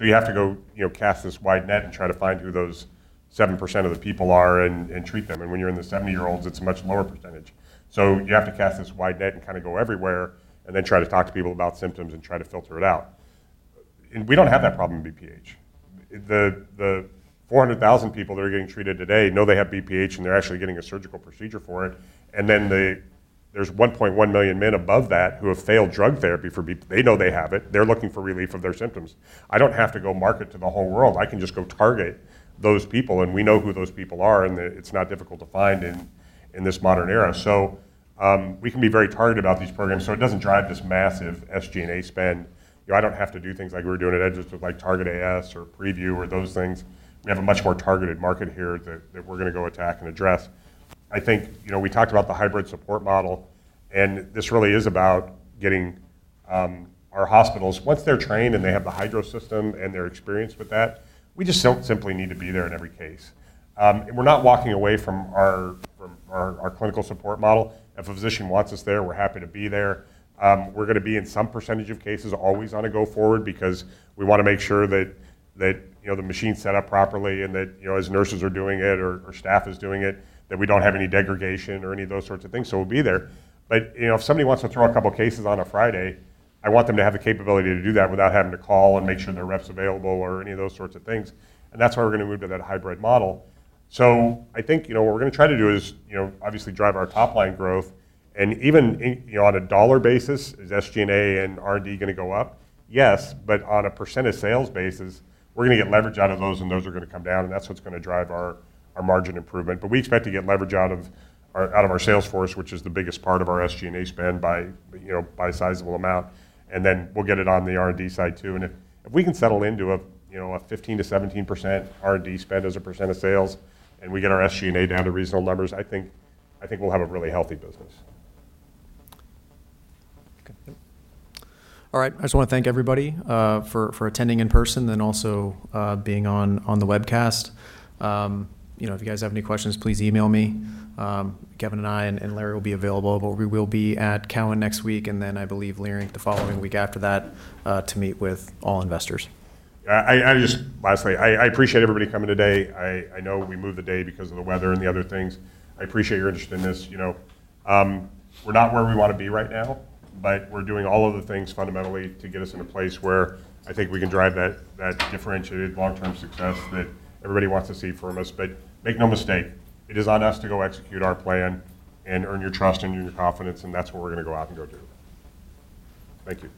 You have to go, you know, cast this wide net and try to find who those 7% of the people are and treat them, and when you're in the 70-year-olds, it's a much lower percentage. You have to cast this wide net and kind of go everywhere, and then try to talk to people about symptoms, and try to filter it out. We don't have that problem in BPH. The 400,000 people that are getting treated today know they have BPH, and they're actually getting a surgical procedure for it. There's 1.1 million men above that who have failed drug therapy for BPH. They know they have it. They're looking for relief of their symptoms. I don't have to go market to the whole world. I can just go target those people, and we know who those people are, and it's not difficult to find in this modern era. We can be very targeted about these programs, so it doesn't drive this massive SG&A spend. You know, I don't have to do things like we were doing at Edge, just with, like, Target AS or Preview or those things. We have a much more targeted market here that we're gonna go attack and address. I think, you know, we talked about the hybrid support model, and this really is about getting our hospitals, once they're trained, and they have the HYDROS system and they're experienced with that, we just don't simply need to be there in every case. We're not walking away from our clinical support model. If a physician wants us there, we're happy to be there. We're gonna be in some percentage of cases always on a go forward, because we wanna make sure that, you know, the machine's set up properly and that, you know, as nurses are doing it or staff is doing it, that we don't have any degradation or any of those sorts of things, so we'll be there. You know, if somebody wants to throw a couple cases on a Friday, I want them to have the capability to do that without having to call and make sure their rep's available or any of those sorts of things. That's why we're gonna move to that hybrid model. I think, you know, what we're gonna try to do is, you know, obviously drive our top line growth. Even in, you know, on a dollar basis, is SG&A and R&D gonna go up? Yes, but on a percent of sales basis, we're gonna get leverage out of those, and those are gonna come down, and that's what's gonna drive our margin improvement. We expect to get leverage out of our sales force, which is the biggest part of our SG&A spend by, you know, by a sizable amount. Then we'll get it on the R&D side, too. If we can settle into a, you know, a 15%-17% R&D spend as a percent of sales, and we get our SG&A down to reasonable numbers, I think we'll have a really healthy business. Okay. All right, I just wanna thank everybody for attending in person and also being on the webcast. You know, if you guys have any questions, please email me. Kevin and I, and Larry will be available. We will be at Cowen next week. I believe Leerink the following week after that to meet with all investors. I just lastly, I appreciate everybody coming today. I know we moved the day because of the weather and the other things. I appreciate your interest in this. You know, we're not where we wanna be right now, but we're doing all of the things fundamentally to get us in a place where I think we can drive that differentiated long-term success that everybody wants to see from us. Make no mistake, it is on us to go execute our plan and earn your trust and earn your confidence, and that's what we're gonna go out and go do. Thank you.